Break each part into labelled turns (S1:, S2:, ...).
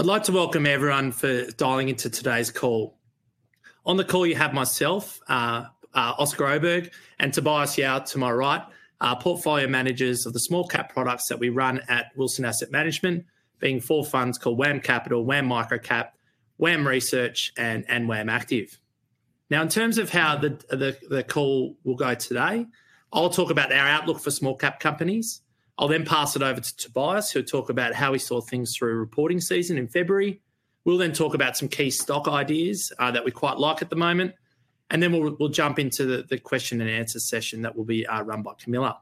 S1: I'd like to welcome everyone for dialing into today's call. On the call you have myself, Oscar Oberg, and Tobias Yao to my right, portfolio managers of the small cap products that we run at Wilson Asset Management, being four funds called WAM Capital, WAM Microcap, WAM Research, and WAM Active. Now, in terms of how the call will go today, I'll talk about our outlook for small cap companies. I'll then pass it over to Tobias, who'll talk about how we saw things through reporting season in February. We'll then talk about some key stock ideas that we quite like at the moment, and then we'll jump into the question and answer session that will be run by Camilla.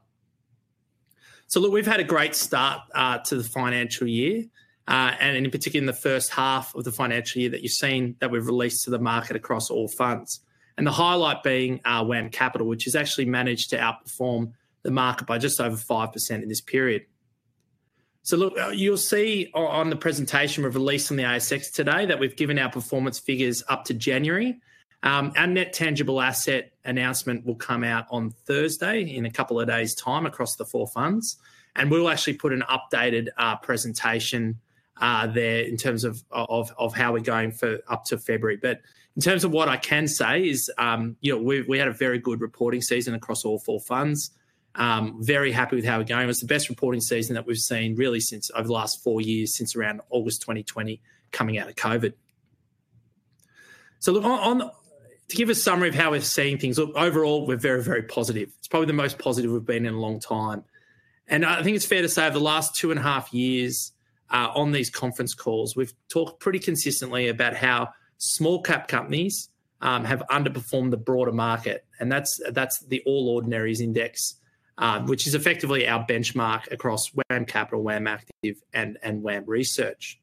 S1: So look, we've had a great start to the financial year, and in particular in the first half of the financial year that you've seen that we've released to the market across all funds, and the highlight being WAM Capital, which has actually managed to outperform the market by just over 5% in this period. So look, you'll see on the presentation we've released on the ASX today that we've given our performance figures up to January. Our net tangible asset announcement will come out on Thursday in a couple of days' time across the four funds, and we'll actually put an updated presentation there in terms of of how we're going up to February. But in terms of what I can say is, you know, we had a very good reporting season across all four funds. Very happy with how we're going. It was the best reporting season that we've seen really since over the last four years, since around August 2020, coming out of COVID. So look, to give a summary of how we're seeing things, look, overall we're very, very positive. It's probably the most positive we've been in a long time. And I think it's fair to say over the last two and a half years, on these conference calls, we've talked pretty consistently about how small cap companies have underperformed the broader market, and that's the All Ordinaries Index, which is effectively our benchmark across WAM Capital, WAM Active, and WAM Research.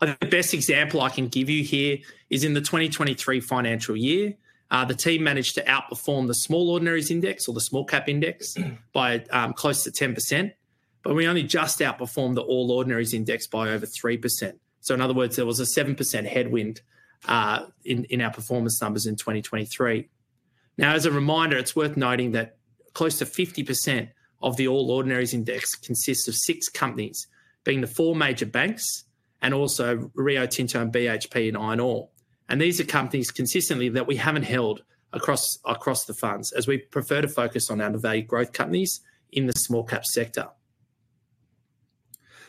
S1: I think the best example I can give you here is in the 2023 financial year, the team managed to outperform the Small Ordinaries Index, or the Small Cap Index, by close to 10%, but we only just outperformed the All Ordinaries Index by over 3%. So in other words, there was a 7% headwind in our performance numbers in 2023. Now, as a reminder, it's worth noting that close to 50% of the All Ordinaries Index consists of six companies, being the four major banks and also Rio Tinto, BHP. And these are companies consistently that we haven't held across the funds, as we prefer to focus on our undervalued growth companies in the small cap sector.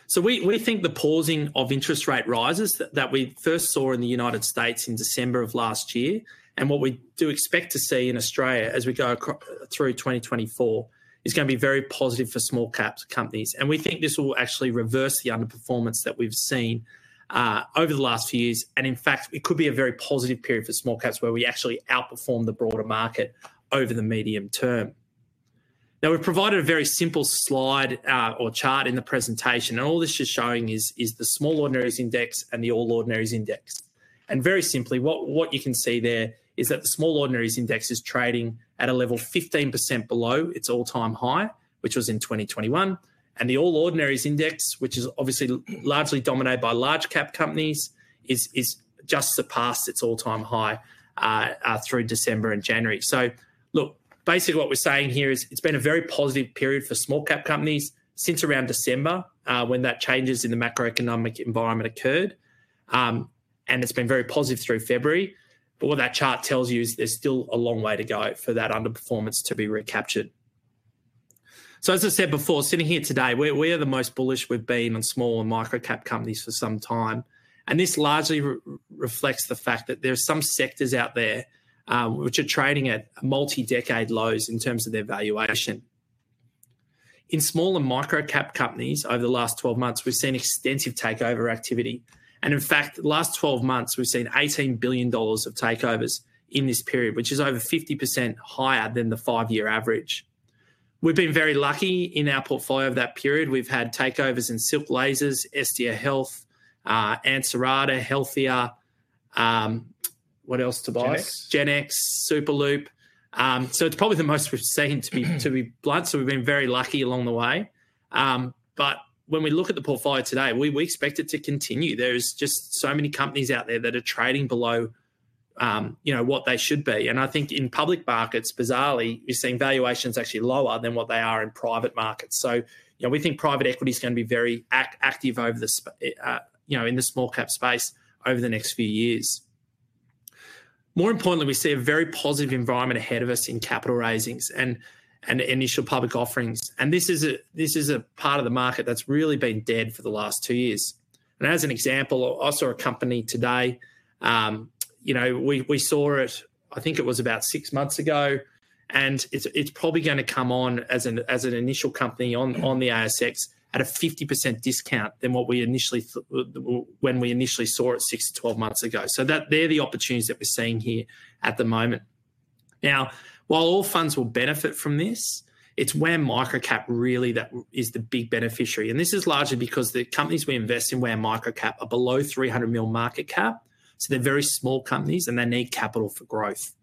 S1: So we think the pausing of interest rate rises that we first saw in the United States in December of last year, and what we do expect to see in Australia as we go across through 2024 is going to be very positive for small cap companies. And we think this will actually reverse the underperformance that we've seen over the last few years, and in fact, it could be a very positive period for small caps where we actually outperform the broader market over the medium term. Now, we've provided a very simple slide, or chart in the presentation, and all this just showing is the Small Ordinaries Index and the All Ordinaries Index. Very simply, what you can see there is that the Small Ordinaries Index is trading at a level 15% below its all-time high, which was in 2021, and the All Ordinaries Index, which is obviously largely dominated by large cap companies, is just surpassed its all-time high, through December and January. So look, basically what we're saying here is it's been a very positive period for small cap companies since around December, when that changes in the macroeconomic environment occurred, and it's been very positive through February. But what that chart tells you is there's still a long way to go for that underperformance to be recaptured. So as I said before, sitting here today, we're, we are the most bullish we've been on small and microcap companies for some time, and this largely reflects the fact that there are some sectors out there, which are trading at multi-decade lows in terms of their valuation. In small and microcap companies over the last 12 months, we've seen extensive takeover activity, and in fact, the last 12 months we've seen 18 billion dollars of takeovers in this period, which is over 50% higher than the five-year average. We've been very lucky in our portfolio of that period. We've had takeovers in Silk Lasers, Estia Health, Ansarada, Healthia, what else, Tobias?
S2: Genex.
S1: Genex, Superloop. So it's probably the most we've seen to be, to be blunt. So we've been very lucky along the way. But when we look at the portfolio today, we, we expect it to continue. There's just so many companies out there that are trading below, you know, what they should be. And I think in public markets, bizarrely, we're seeing valuations actually lower than what they are in private markets. So, you know, we think private equity's going to be very active over the space you know, in the small cap space over the next few years. More importantly, we see a very positive environment ahead of us in capital raisings and, and initial public offerings. And this is a, this is a part of the market that's really been dead for the last two years. As an example, I saw a company today, you know, we, we saw it, I think it was about 6 months ago, and it's, it's probably going to come on as an, as an initial company on, on the ASX at a 50% discount than what we initially thought when we initially saw it 6-12 months ago. So that they're the opportunities that we're seeing here at the moment. Now, while all funds will benefit from this, it's WAM Microcap really that is the big beneficiary. And this is largely because the companies we invest in WAM Microcap are below 300 million market cap, so they're very small companies, and they need capital for growth.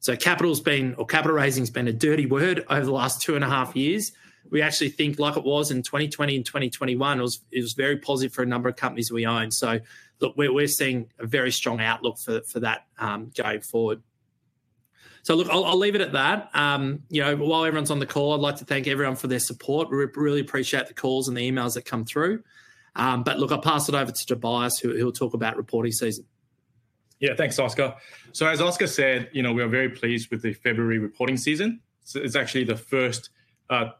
S1: So capital's been, or capital raising's been a dirty word over the last 2.5 years. We actually think like it was in 2020 and 2021, it was very positive for a number of companies we own. So look, we're seeing a very strong outlook for that, going forward. So look, I'll leave it at that. You know, while everyone's on the call, I'd like to thank everyone for their support. We really appreciate the calls and the emails that come through. But look, I'll pass it over to Tobias, who'll talk about reporting season.
S2: Yeah, thanks, Oscar. So as Oscar said, you know, we are very pleased with the February reporting season. So it's actually the first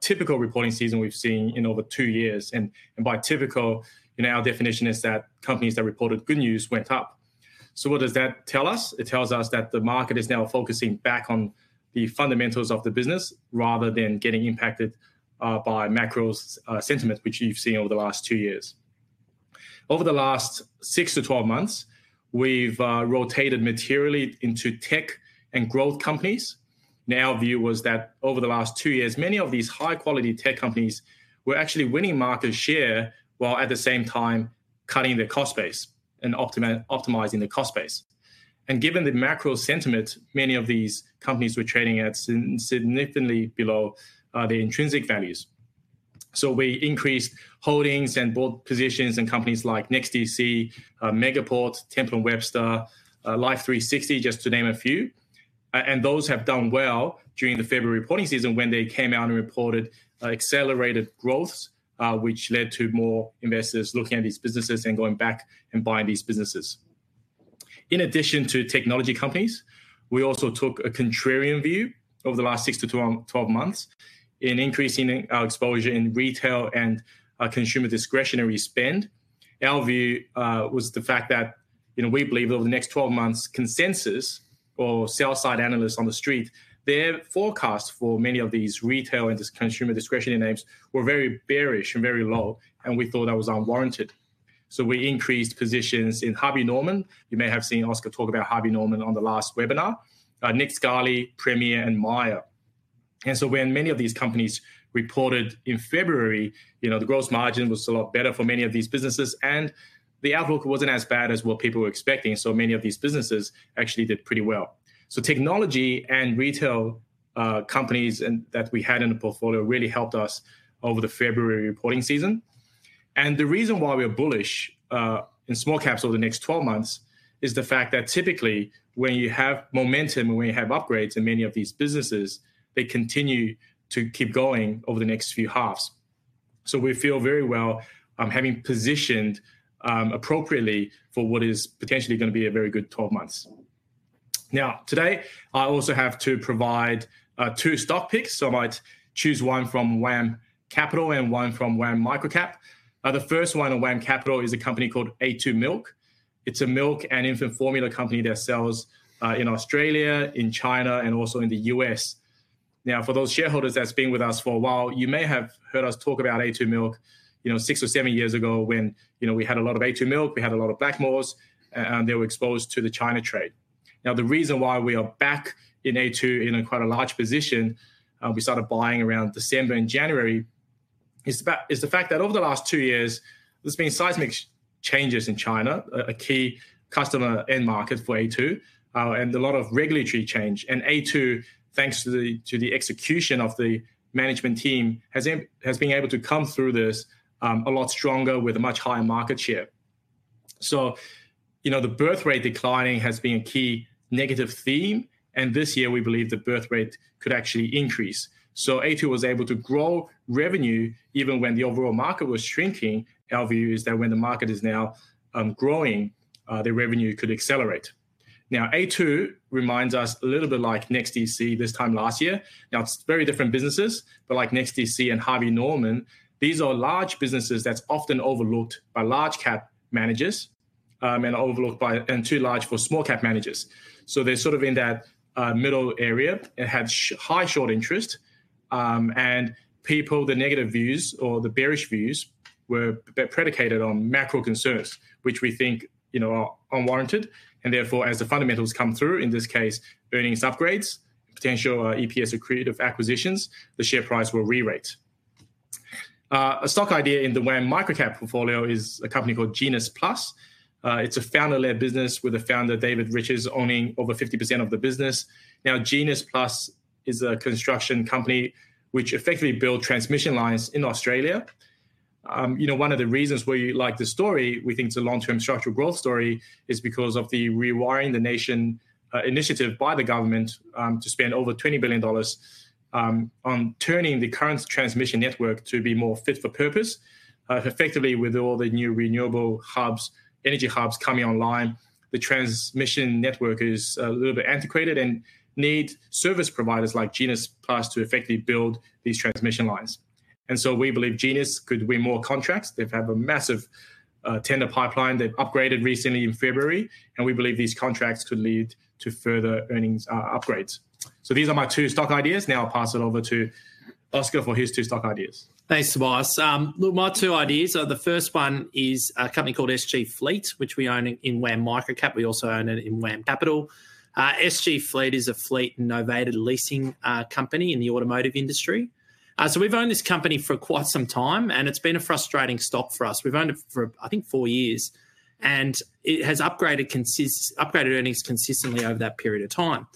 S2: typical reporting season we've seen in over two years. And by typical, you know, our definition is that companies that reported good news went up. So what does that tell us? It tells us that the market is now focusing back on the fundamentals of the business rather than getting impacted by macro sentiment, which you've seen over the last two years. Over the last 6-12 months, we've rotated materially into tech and growth companies. Now, our view was that over the last two years, many of these high-quality tech companies were actually winning market share while at the same time cutting their cost base and optimizing the cost base. Given the macro sentiment, many of these companies were trading at significantly below their intrinsic values. So we increased holdings and bought positions in companies like NextDC, Megaport, Temple & Webster, Life360, just to name a few. And those have done well during the February reporting season when they came out and reported accelerated growths, which led to more investors looking at these businesses and going back and buying these businesses. In addition to technology companies, we also took a contrarian view over the last 6-12 months in increasing our exposure in retail and consumer discretionary spend. Our view was the fact that, you know, we believe that over the next 12 months, consensus or sell-side analysts on the street, their forecasts for many of these retail and consumer discretionary names were very bearish and very low, and we thought that was unwarranted. So we increased positions in Harvey Norman - you may have seen Oscar talk about Harvey Norman on the last webinar - Nick Scali, Premier, and Myer. And so when many of these companies reported in February, you know, the gross margin was a lot better for many of these businesses, and the outlook wasn't as bad as what people were expecting. So many of these businesses actually did pretty well. So technology and retail, companies and that we had in the portfolio really helped us over the February reporting season. And the reason why we are bullish, in small caps over the next 12 months is the fact that typically when you have momentum and when you have upgrades in many of these businesses, they continue to keep going over the next few halves. So we feel very well, having positioned appropriately for what is potentially going to be a very good 12 months. Now, today, I also have to provide two stock picks. So I might choose one from WAM Capital and one from WAM Microcap. The first one on WAM Capital is a company called A2 Milk. It's a milk and infant formula company that sells in Australia, in China, and also in the U.S. Now, for those shareholders that's been with us for a while, you may have heard us talk about A2 Milk, you know, six or seven years ago when, you know, we had a lot of A2 Milk. We had a lot of Blackmores, and they were exposed to the China trade. Now, the reason why we are back in A2 in quite a large position, we started buying around December and January, is the fact that over the last two years, there's been seismic changes in China, a key customer end market for A2, and a lot of regulatory change. And A2, thanks to the execution of the management team, has been able to come through this, a lot stronger with a much higher market share. So, you know, the birth rate declining has been a key negative theme, and this year we believe the birth rate could actually increase. So A2 was able to grow revenue even when the overall market was shrinking. Our view is that when the market is now growing, the revenue could accelerate. Now, A2 reminds us a little bit like NextDC this time last year. Now, it's very different businesses, but like NextDC and Harvey Norman, these are large businesses that's often overlooked by large cap managers, and overlooked by and too large for small cap managers. So they're sort of in that, middle area and have such high short interest. And people, the negative views or the bearish views were predicated on macro concerns, which we think, you know, are unwarranted. And therefore, as the fundamentals come through, in this case, earnings upgrades, potential, EPS or creative acquisitions, the share price will re-rate. A stock idea in the WAM Microcap portfolio is a company called Genus Plus. It's a founder-led business with the founder David Riches owning over 50% of the business. Now, Genus Plus is a construction company which effectively builds transmission lines in Australia. You know, one of the reasons why we like this story, we think it's a long-term structural growth story, is because of the Rewiring the Nation initiative by the government, to spend over 20 billion dollars on turning the current transmission network to be more fit for purpose. Effectively, with all the new renewable hubs, energy hubs coming online, the transmission network is a little bit antiquated and needs service providers like Genus Plus to effectively build these transmission lines. And so we believe Genus could win more contracts. They've had a massive tender pipeline. They've upgraded recently in February, and we believe these contracts could lead to further earnings upgrades. So these are my two stock ideas. Now, I'll pass it over to Oscar for his two stock ideas.
S1: Thanks, Tobias. Look, my two ideas are the first one is a company called SG Fleet, which we own in WAM Microcap. We also own it in WAM Capital. SG Fleet is a fleet and novated leasing company in the automotive industry. So we've owned this company for quite some time, and it's been a frustrating stock for us. We've owned it for, I think, four years, and it has consistently upgraded earnings over that period of time.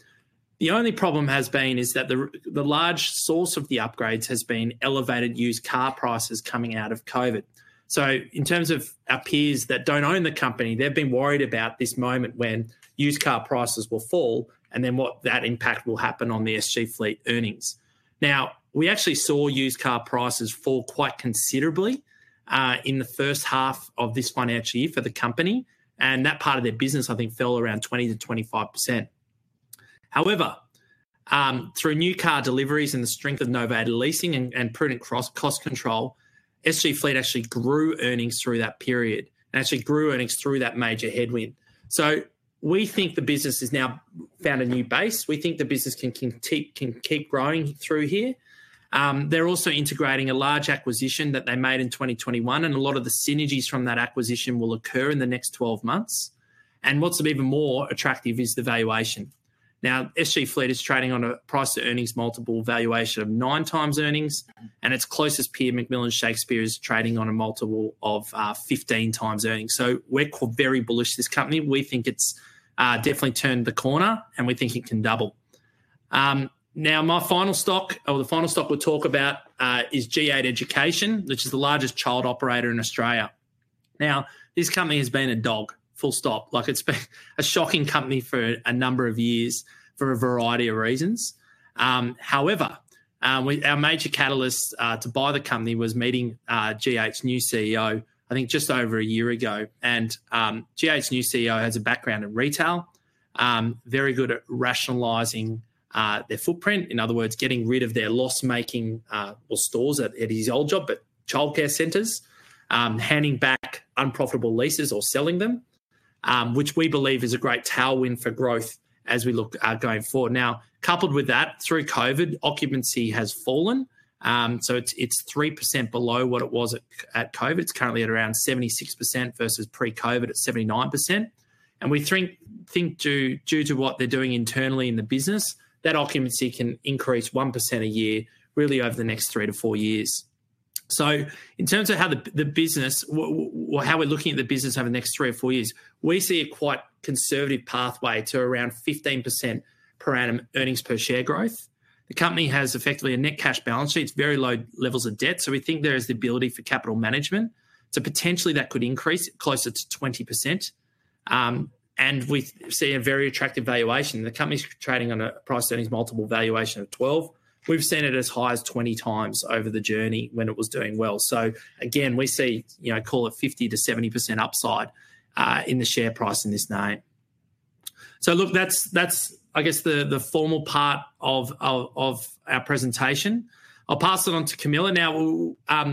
S1: The only problem has been that the large source of the upgrades has been elevated used car prices coming out of COVID. So in terms of our peers that don't own the company, they've been worried about this moment when used car prices will fall and then what that impact will happen on the SG Fleet earnings. Now, we actually saw used car prices fall quite considerably in the first half of this financial year for the company, and that part of their business, I think, fell around 20%-25%. However, through new car deliveries and the strength of novated leasing and prudent cross-cost control, SG Fleet actually grew earnings through that period and actually grew earnings through that major headwind. We think the business has now found a new base. We think the business can keep growing through here. They're also integrating a large acquisition that they made in 2021, and a lot of the synergies from that acquisition will occur in the next 12 months. What's even more attractive is the valuation. Now, SG Fleet is trading on a price-to-earnings multiple valuation of 9x earnings, and its closest peer, McMillan Shakespeare, is trading on a multiple of 15x earnings. So we're quite very bullish this company. We think it's definitely turned the corner, and we think it can double. Now, my final stock or the final stock we'll talk about is G8 Education, which is the largest childcare operator in Australia. Now, this company has been a dog, full stop. Like, it's been a shocking company for a number of years for a variety of reasons. However, our major catalyst to buy the company was meeting G8's new CEO, I think, just over a year ago. And G8's new CEO has a background in retail, very good at rationalizing their footprint. In other words, getting rid of their loss-making, well, stores at his old job, but childcare centers, handing back unprofitable leases or selling them, which we believe is a great tailwind for growth as we look going forward. Now, coupled with that, through COVID, occupancy has fallen, so it's 3% below what it was at COVID. It's currently at around 76% versus pre-COVID at 79%. And we think due to what they're doing internally in the business, that occupancy can increase 1% a year really over the next 3-4 years. So in terms of how the business, well, how we're looking at the business over the next 3-4 years, we see a quite conservative pathway to around 15% per annum earnings per share growth. The company has effectively a net cash balance sheet. It's very low levels of debt. So we think there is the ability for capital management to potentially that could increase closer to 20%. And we see a very attractive valuation. The company's trading on a price-to-earnings multiple valuation of 12. We've seen it as high as 20x over the journey when it was doing well. So again, we see, you know, call it 50%-70% upside in the share price in this name. So look, that's, I guess, the formal part of our presentation. I'll pass it on to Camilla now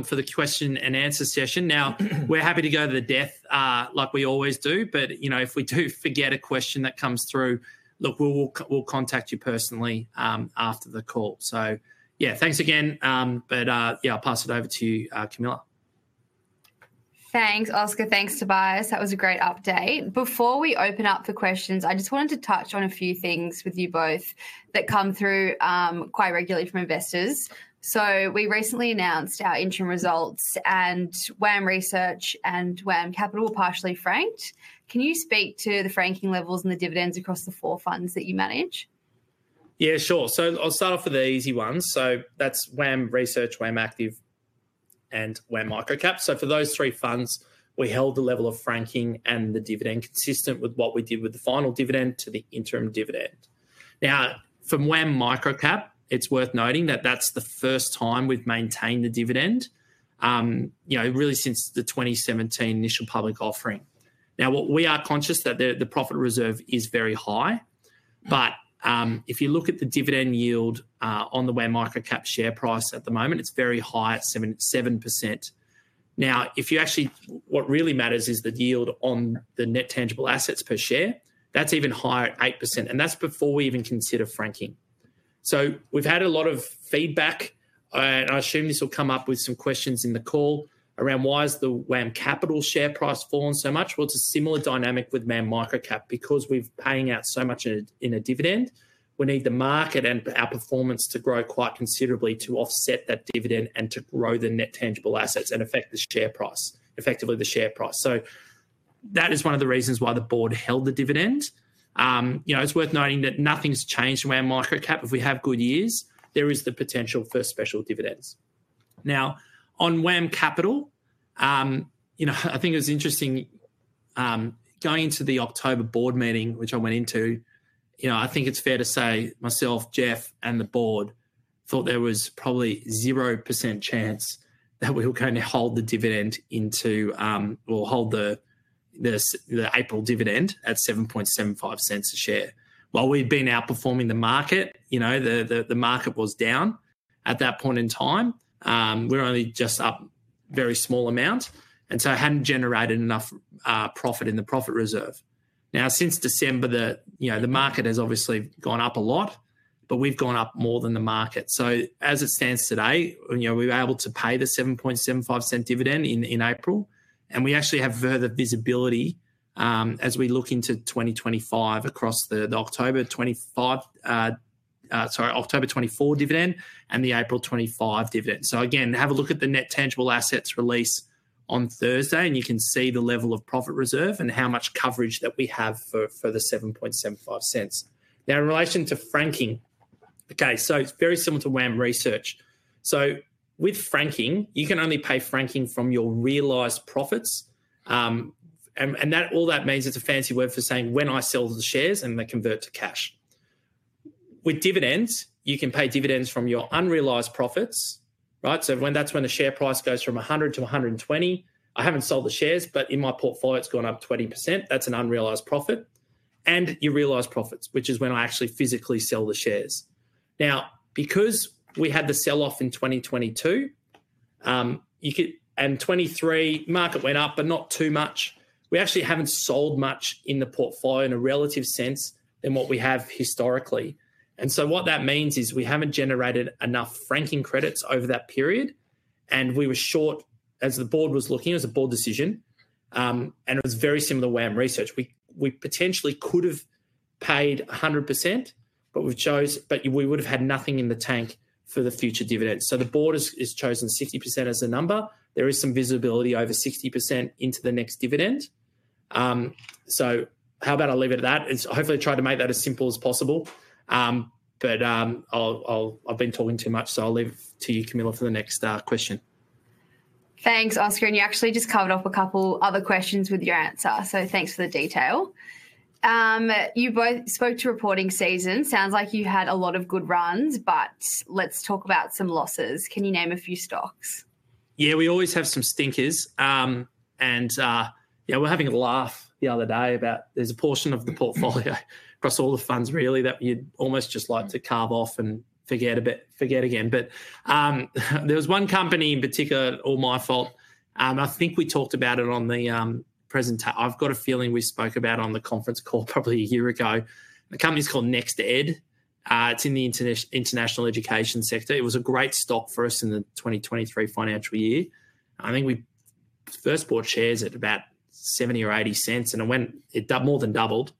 S1: for the question and answer session. Now, we're happy to go to the depth, like we always do, but, you know, if we do forget a question that comes through, look, we'll contact you personally after the call. So yeah, thanks again. But yeah, I'll pass it over to you, Camilla.
S3: Thanks, Oscar. Thanks, Tobias. That was a great update. Before we open up for questions, I just wanted to touch on a few things with you both that come through, quite regularly from investors. So we recently announced our interim results, and WAM Research and WAM Capital were partially franked. Can you speak to the franking levels and the dividends across the four funds that you manage?
S1: Yeah, sure. So I'll start off with the easy ones. So that's WAM Research, WAM Active, and WAM Microcap. So for those three funds, we held the level of franking and the dividend consistent with what we did with the final dividend to the interim dividend. Now, from WAM Microcap, it's worth noting that that's the first time we've maintained the dividend, you know, really since the 2017 initial public offering. Now, what we are conscious that the profit reserve is very high, but if you look at the dividend yield on the WAM Microcap share price at the moment, it's very high at 7%. Now, if you actually what really matters is the yield on the net tangible assets per share, that's even higher at 8%, and that's before we even consider franking. So we've had a lot of feedback, and I assume this will come up with some questions in the call around why has the WAM Capital share price fallen so much? Well, it's a similar dynamic with WAM Microcap because we're paying out so much in a dividend. We need the market and our performance to grow quite considerably to offset that dividend and to grow the net tangible assets and affect the share price, effectively the share price. So that is one of the reasons why the board held the dividend. You know, it's worth noting that nothing's changed in WAM Microcap. If we have good years, there is the potential for special dividends. Now, on WAM Capital, you know, I think it was interesting, going into the October board meeting, which I went into, you know, I think it's fair to say myself, Geoff, and the board thought there was probably 0% chance that we were going to hold the dividend into, well, hold the April dividend at 0.0775 a share. While we'd been outperforming the market, you know, the market was down at that point in time. We're only just up a very small amount, and so it hadn't generated enough profit in the profit reserve. Now, since December, you know, the market has obviously gone up a lot, but we've gone up more than the market. So as it stands today, you know, we were able to pay the 0.0775 dividend in April, and we actually have further visibility, as we look into 2025 across the October 2025, sorry, October 2024 dividend and the April 2025 dividend. So again, have a look at the net tangible assets release on Thursday, and you can see the level of profit reserve and how much coverage that we have for the 0.0775. Now, in relation to franking, okay, so it's very similar to WAM Research. So with franking, you can only pay franking from your realized profits, and that all that means it's a fancy word for saying when I sell the shares and they convert to cash. With dividends, you can pay dividends from your unrealized profits, right? So when the share price goes from 100 to 120, I haven't sold the shares, but in my portfolio, it's gone up 20%. That's an unrealized profit. And your realized profits, which is when I actually physically sell the shares. Now, because we had the sell-off in 2022 and 2023, market went up, but not too much. We actually haven't sold much in the portfolio in a relative sense than what we have historically. And so what that means is we haven't generated enough franking credits over that period, and we were short as the board was looking. It was a board decision. And it was very similar to WAM Research. We potentially could have paid 100%, but we've chose but we would have had nothing in the tank for the future dividends. So the board has chosen 60% as a number. There is some visibility over 60% into the next dividend. So how about I leave it at that? It's hopefully. I tried to make that as simple as possible. But, I'll, I've been talking too much, so I'll leave to you, Camilla, for the next question.
S3: Thanks, Oscar. And you actually just covered off a couple other questions with your answer, so thanks for the detail. You both spoke to reporting season. Sounds like you had a lot of good runs, but let's talk about some losses. Can you name a few stocks?
S1: Yeah, we always have some stinkers. And, yeah, we're having a laugh the other day about there's a portion of the portfolio across all the funds, really, that you'd almost just like to carve off and forget a bit, forget again. But, there was one company in particular, all my fault. I think we talked about it on the presentation. I've got a feeling we spoke about it on the conference call probably a year ago. The company's called NextEd. It's in the international education sector. It was a great stock for us in the 2023 financial year. I think we first bought shares at about 0.70 or 0.80, and it went, it doubled more than doubled,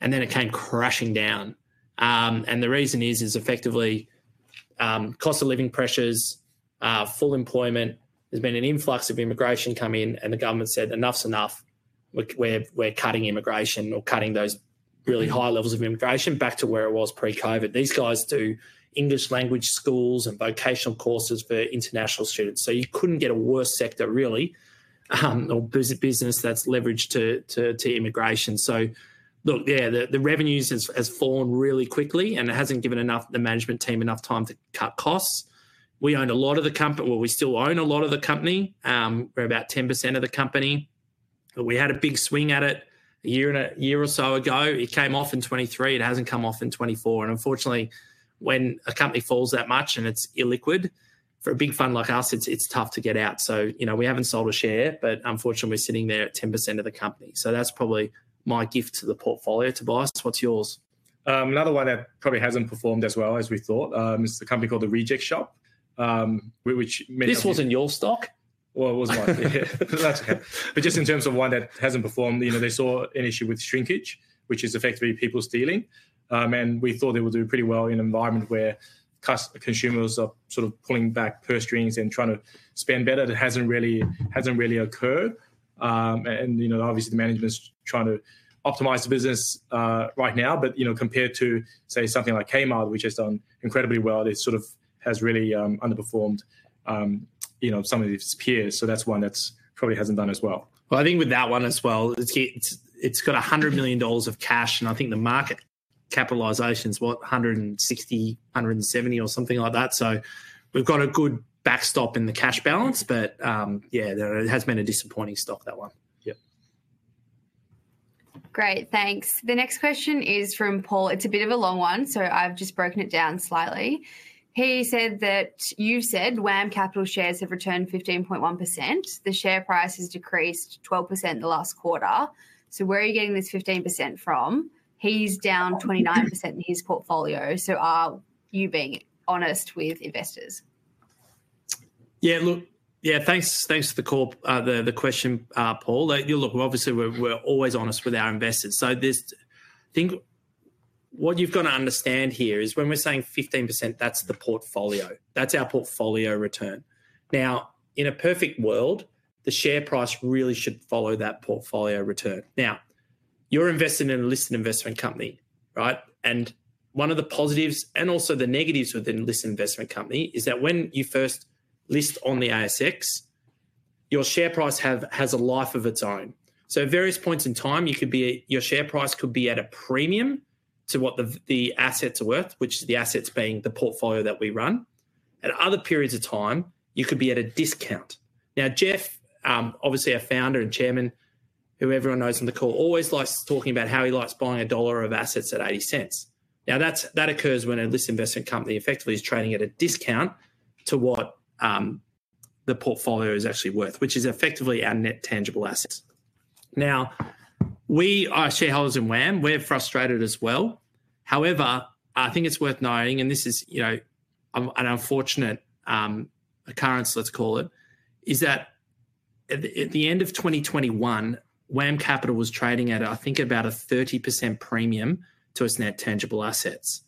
S1: and then it came crashing down. And the reason is, is effectively, cost of living pressures, full employment. There's been an influx of immigration coming in, and the government said, "Enough's enough. We're cutting immigration or cutting those really high levels of immigration back to where it was pre-COVID." These guys do English language schools and vocational courses for international students, so you couldn't get a worse sector, really, or busy business that's leveraged to immigration. So look, yeah, the revenues has fallen really quickly, and it hasn't given the management team enough time to cut costs. We owned a lot of the comp well, we still own a lot of the company. We're about 10% of the company. But we had a big swing at it a year and a year or so ago. It came off in 2023. It hasn't come off in 2024. And unfortunately, when a company falls that much and it's illiquid for a big fund like us, it's tough to get out. So, you know, we haven't sold a share, but unfortunately, we're sitting there at 10% of the company. So that's probably my gift to the portfolio, Tobias. What's yours?
S2: Another one that probably hasn't performed as well as we thought is the company called The Reject Shop, which made a.
S1: This wasn't your stock?
S2: Well, it was mine. Yeah. That's okay. But just in terms of one that hasn't performed, you know, they saw an issue with shrinkage, which is effectively people stealing. And we thought they would do pretty well in an environment where customers are sort of pulling back purse strings and trying to spend better. It hasn't really hasn't really occurred. And, you know, obviously, the management's trying to optimize the business right now. But, you know, compared to, say, something like Kmart, which has done incredibly well, it sort of has really underperformed, you know, some of its peers. So that's one that's probably hasn't done as well.
S1: Well, I think with that one as well, it's got 100 million dollars of cash, and I think the market capitalization's what, 160-170 or something like that. So we've got a good backstop in the cash balance, but, yeah, there it has been a disappointing stock, that one.
S2: Yep.
S3: Great. Thanks. The next question is from Paul. It's a bit of a long one, so I've just broken it down slightly. He said that you've said WAM Capital shares have returned 15.1%. The share price has decreased 12% the last quarter. So where are you getting this 15% from? He's down 29% in his portfolio. So are you being honest with investors?
S1: Yeah, look, yeah, thanks. Thanks for the call, the question, Paul. You know, look, we're obviously always honest with our investors. So there's, I think, what you've got to understand here is when we're saying 15%, that's the portfolio. That's our portfolio return. Now, in a perfect world, the share price really should follow that portfolio return. Now, you're investing in a listed investment company, right? And one of the positives and also the negatives within a listed investment company is that when you first list on the ASX, your share price has a life of its own. So at various points in time, you could be at, your share price could be at a premium to what the assets are worth, which is the assets being the portfolio that we run. At other periods of time, you could be at a discount. Now, Geoff, obviously our founder and chairman, who everyone knows on the call, always likes talking about how he likes buying a dollar of assets at 80 cents. Now, that's what occurs when a listed investment company effectively is trading at a discount to what the portfolio is actually worth, which is effectively our net tangible assets. Now, we are shareholders in WAM. We're frustrated as well. However, I think it's worth noting, and this is, you know, an unfortunate occurrence, let's call it, is that at the end of 2021, WAM Capital was trading at, I think, about a 30% premium to its net tangible assets.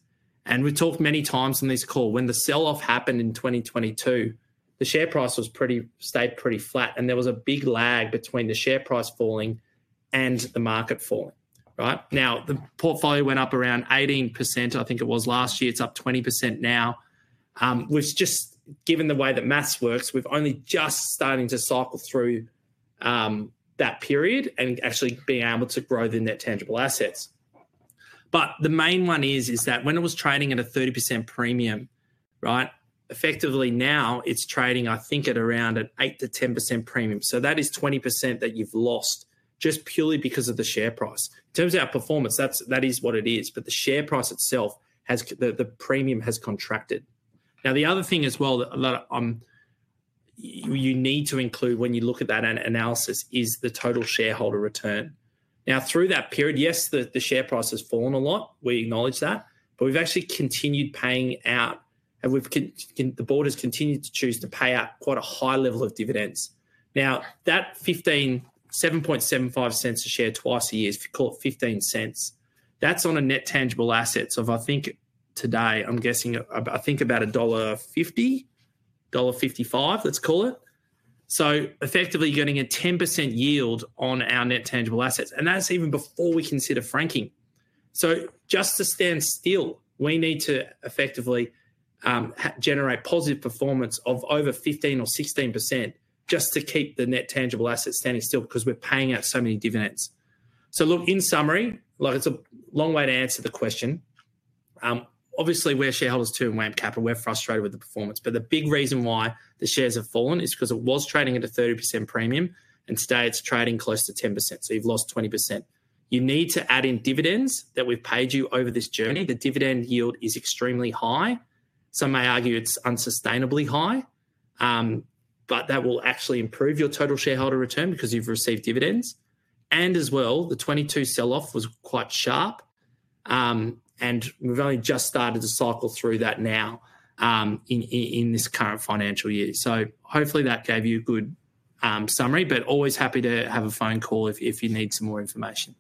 S1: And we've talked many times on this call, when the sell-off happened in 2022, the share price stayed pretty flat, and there was a big lag between the share price falling and the market falling, right? Now, the portfolio went up around 18%, I think it was last year. It's up 20% now. With just given the way that math works, we've only just starting to cycle through that period and actually being able to grow the net tangible assets. But the main one is, is that when it was trading at a 30% premium, right, effectively now it's trading, I think, at around an 8%-10% premium. So that is 20% that you've lost just purely because of the share price. In terms of our performance, that's that is what it is. But the share price itself has the, the premium has contracted. Now, the other thing as well that a lot of, you need to include when you look at that analysis is the total shareholder return. Now, through that period, yes, the, the share price has fallen a lot. We acknowledge that. But we've actually continued paying out, and the board has continued to choose to pay out quite a high level of dividends. Now, that's 7.75 cents a share twice a year, if you call it 15 cents, that's on a net tangible assets of, I think, today, I'm guessing about I think about dollar 1.50, 1.55 dollar, let's call it. So effectively, you're getting a 10% yield on our net tangible assets. And that's even before we consider franking. So just to stand still, we need to effectively generate positive performance of over 15%-16% just to keep the net tangible assets standing still because we're paying out so many dividends. So look, in summary, look, it's a long way to answer the question. Obviously, we're shareholders too in WAM Capital. We're frustrated with the performance. But the big reason why the shares have fallen is because it was trading at a 30% premium, and today it's trading close to 10%. So you've lost 20%. You need to add in dividends that we've paid you over this journey. The dividend yield is extremely high. Some may argue it's unsustainably high, but that will actually improve your total shareholder return because you've received dividends. And as well, the 2022 sell-off was quite sharp, and we've only just started to cycle through that now, in this current financial year. So hopefully, that gave you a good summary, but always happy to have a phone call if you need some more information.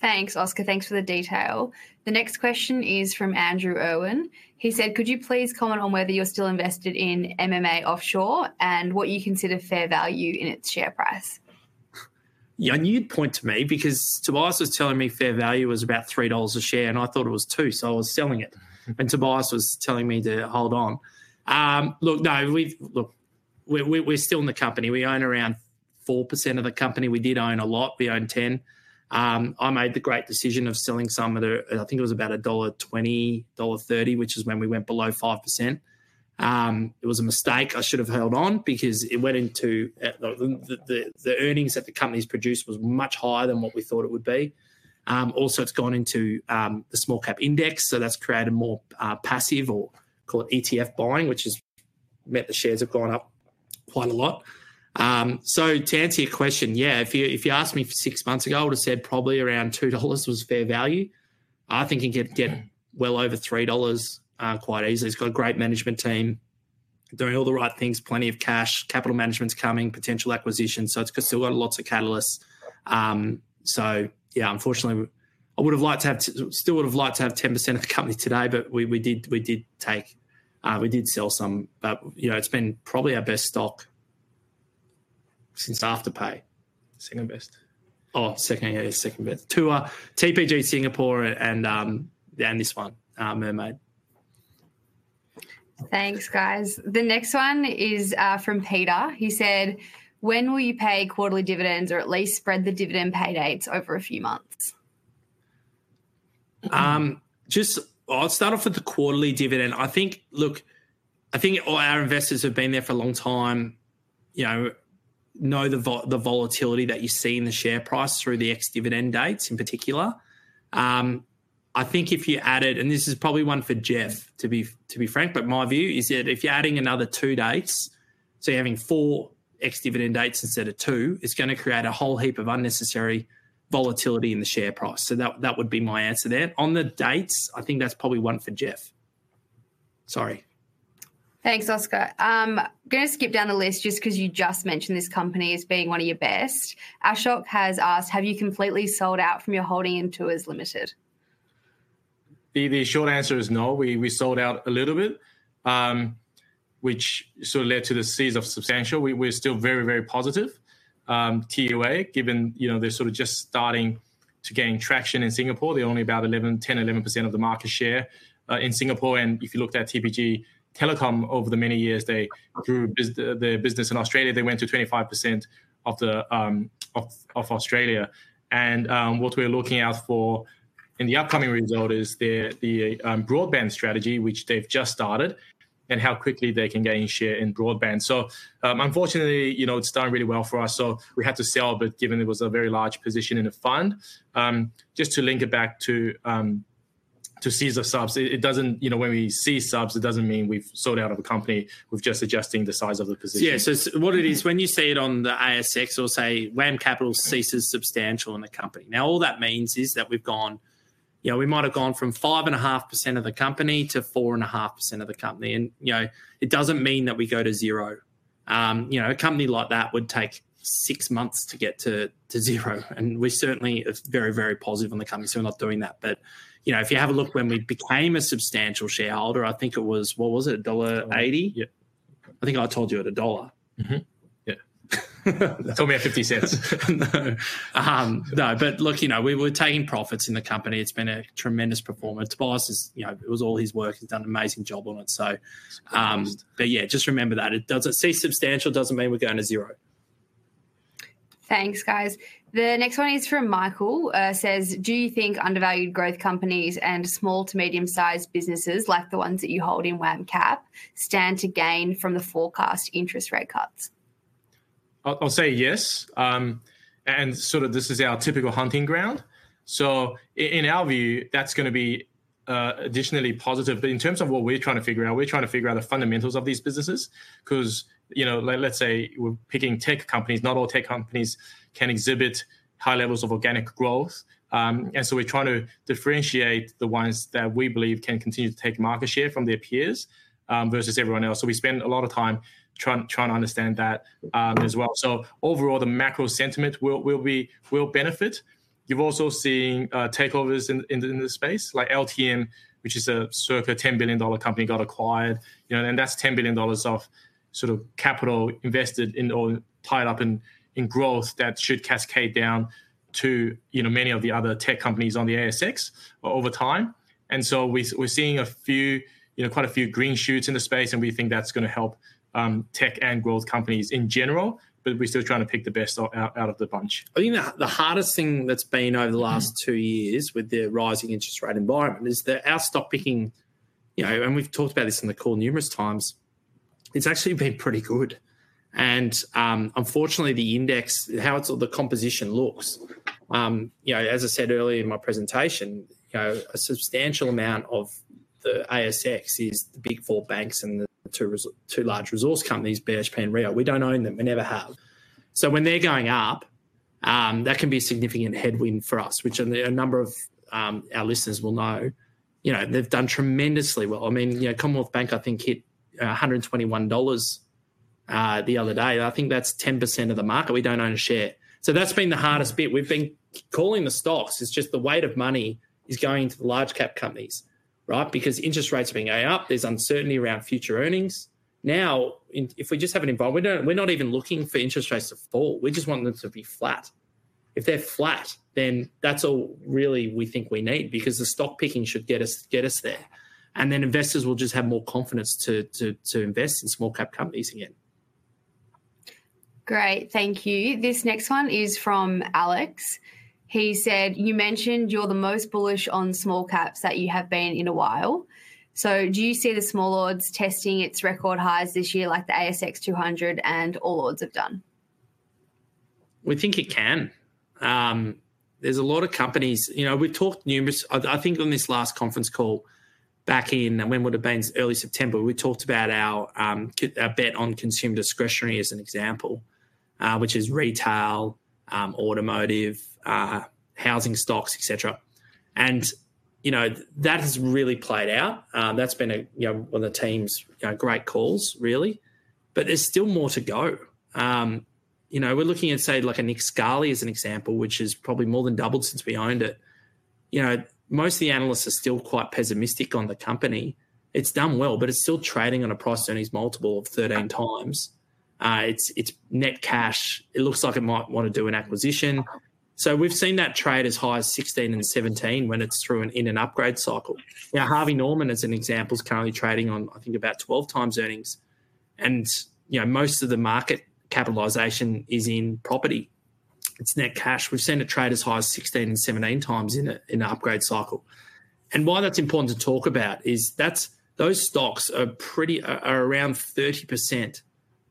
S3: Thanks, Oscar. Thanks for the detail. The next question is from Andrew Owen. He said, "Could you please comment on whether you're still invested in MMA Offshore and what you consider fair value in its share price?
S1: Yeah, and you'd point to me because Tobias was telling me fair value was about 3 dollars a share, and I thought it was 2, so I was selling it. And Tobias was telling me to hold on. Look, no, we're still in the company. We own around 4% of the company. We did own a lot. We owned 10. I made the great decision of selling some of the I think it was about dollar 1.20, 1.30 dollar, which is when we went below 5%. It was a mistake. I should have held on because it went into the earnings that the company's produced was much higher than what we thought it would be. Also, it's gone into the small-cap index, so that's created more passive or call it ETF buying, which has meant the shares have gone up quite a lot. So to answer your question, yeah, if you asked me six months ago, I would have said probably around 2 dollars was fair value. I think you can get well over 3 dollars, quite easily. It's got a great management team, doing all the right things, plenty of cash, capital management's coming, potential acquisitions. So it's still got lots of catalysts. So yeah, unfortunately, I would have liked to still have 10% of the company today, but we did sell some. But, you know, it's been probably our best stock since Afterpay.
S2: Second best.
S1: Oh, second, yeah, second best. 2, TPG Singapore and, and this one, Mermaid.
S3: Thanks, guys. The next one is, from Peter. He said, "When will you pay quarterly dividends or at least spread the dividend pay dates over a few months?
S1: Just, I'll start off with the quarterly dividend. I think, look, I think all our investors have been there for a long time, you know, know the vol the volatility that you see in the share price through the ex-dividend dates in particular. I think if you added and this is probably one for Geoff, to be to be frank, but my view is that if you're adding another two dates, so you're having four ex-dividend dates instead of two, it's going to create a whole heap of unnecessary volatility in the share price. So that that would be my answer there. On the dates, I think that's probably one for Geoff. Sorry.
S3: Thanks, Oscar. I'm going to skip down the list just because you just mentioned this company as being one of your best. Ashok has asked, "Have you completely sold out from your holding in Tuas Limited?
S2: The short answer is no. We sold out a little bit, which sort of led to the cease of substantial. We're still very, very positive. TUA, given, you know, they're sort of just starting to gain traction in Singapore. They're only about 10%-11% of the market share in Singapore. And if you looked at TPG Telecom over the many years, they grew their business in Australia. They went to 25% of Australia. What we're looking out for in the upcoming result is the broadband strategy, which they've just started, and how quickly they can gain share in broadband. So, unfortunately, you know, it's done really well for us. So we had to sell a bit given it was a very large position in a fund. Just to link it back to size of subs, it doesn't, you know, when we size subs, it doesn't mean we've sold out of a company. We're just adjusting the size of the position.
S1: Yeah. So what it is, when you say it on the ASX or say WAM Capital ceases substantial in the company, now all that means is that we've gone you know, we might have gone from 5.5% of the company to 4.5% of the company. And, you know, it doesn't mean that we go to zero. You know, a company like that would take six months to get to, to zero. And we certainly are very, very positive on the company. So we're not doing that. But, you know, if you have a look when we became a substantial shareholder, I think it was what was it, dollar 1.80?
S2: Yep.
S1: I think I told you at AUD 1.
S2: Mm-hmm. Yeah.
S1: Told me at 0.50.
S2: No.
S1: No. But look, you know, we were taking profits in the company. It's been a tremendous performance. Tobias, you know, it was all his work. He's done an amazing job on it. So, but yeah, just remember that. It doesn't cease to be substantial. Doesn't mean we're going to zero.
S3: Thanks, guys. The next one is from Michael, says, "Do you think undervalued growth companies and small to medium-sized businesses like the ones that you hold in WAM Cap stand to gain from the forecast interest rate cuts?
S2: I'll say yes. And sort of this is our typical hunting ground. So in our view, that's going to be additionally positive. But in terms of what we're trying to figure out, we're trying to figure out the fundamentals of these businesses because, you know, let's say we're picking tech companies. Not all tech companies can exhibit high levels of organic growth. And so we're trying to differentiate the ones that we believe can continue to take market share from their peers, versus everyone else. So we spend a lot of time trying to understand that, as well. So overall, the macro sentiment will benefit. You've also seen takeovers in the space, like Altium, which is a circa 10 billion dollar company got acquired, you know, and that's 10 billion dollars of sort of capital invested in or tied up in growth that should cascade down to, you know, many of the other tech companies on the ASX over time. And so we're seeing a few you know, quite a few green shoots in the space, and we think that's going to help tech and growth companies in general. But we're still trying to pick the best out of the bunch.
S1: I think the hardest thing that's been over the last two years with the rising interest rate environment is that our stock picking you know, and we've talked about this in the call numerous times, it's actually been pretty good. Unfortunately, the index how its composition looks, you know, as I said earlier in my presentation, you know, a substantial amount of the ASX is the Big Four banks and the two large resource companies, BHP and Rio Tinto. We don't own them. We never have. So when they're going up, that can be a significant headwind for us, which a number of our listeners will know. You know, they've done tremendously well. I mean, you know, Commonwealth Bank, I think, hit 121 dollars the other day. I think that's 10% of the market. We don't own a share. So that's been the hardest bit. We've been calling the stocks. It's just the weight of money is going to the large cap companies, right, because interest rates are being going up. There's uncertainty around future earnings. Now, if we just have an involvement we're not even looking for interest rates to fall. We just want them to be flat. If they're flat, then that's all really we think we need because the stock picking should get us there. And then investors will just have more confidence to invest in small cap companies again.
S3: Great. Thank you. This next one is from Alex. He said, "You mentioned you're the most bullish on small caps that you have been in a while. So do you see the small ords testing its record highs this year, like the ASX 200 and All Ords have done?
S1: We think it can. There's a lot of companies you know, we've talked numerous times I think on this last conference call back in when would have been early September, we talked about our, our bet on consumer discretionary as an example, which is retail, automotive, housing stocks, etc. And, you know, that has really played out. That's been a you know, one of the team's you know, great calls, really. But there's still more to go. You know, we're looking at, say, like a Nick Scali as an example, which has probably more than doubled since we owned it. You know, most of the analysts are still quite pessimistic on the company. It's done well, but it's still trading on a price earnings multiple of 13 times. It's net cash. It looks like it might want to do an acquisition. So we've seen that trade as high as 16x and 17x when it's through an in-and-upgrade cycle. Now, Harvey Norman as an example is currently trading on, I think, about 12x earnings. And, you know, most of the market capitalization is in property. It's net cash. We've seen it trade as high as 16x and 17x times in an upgrade cycle. And why that's important to talk about is that's those stocks are pretty around 30%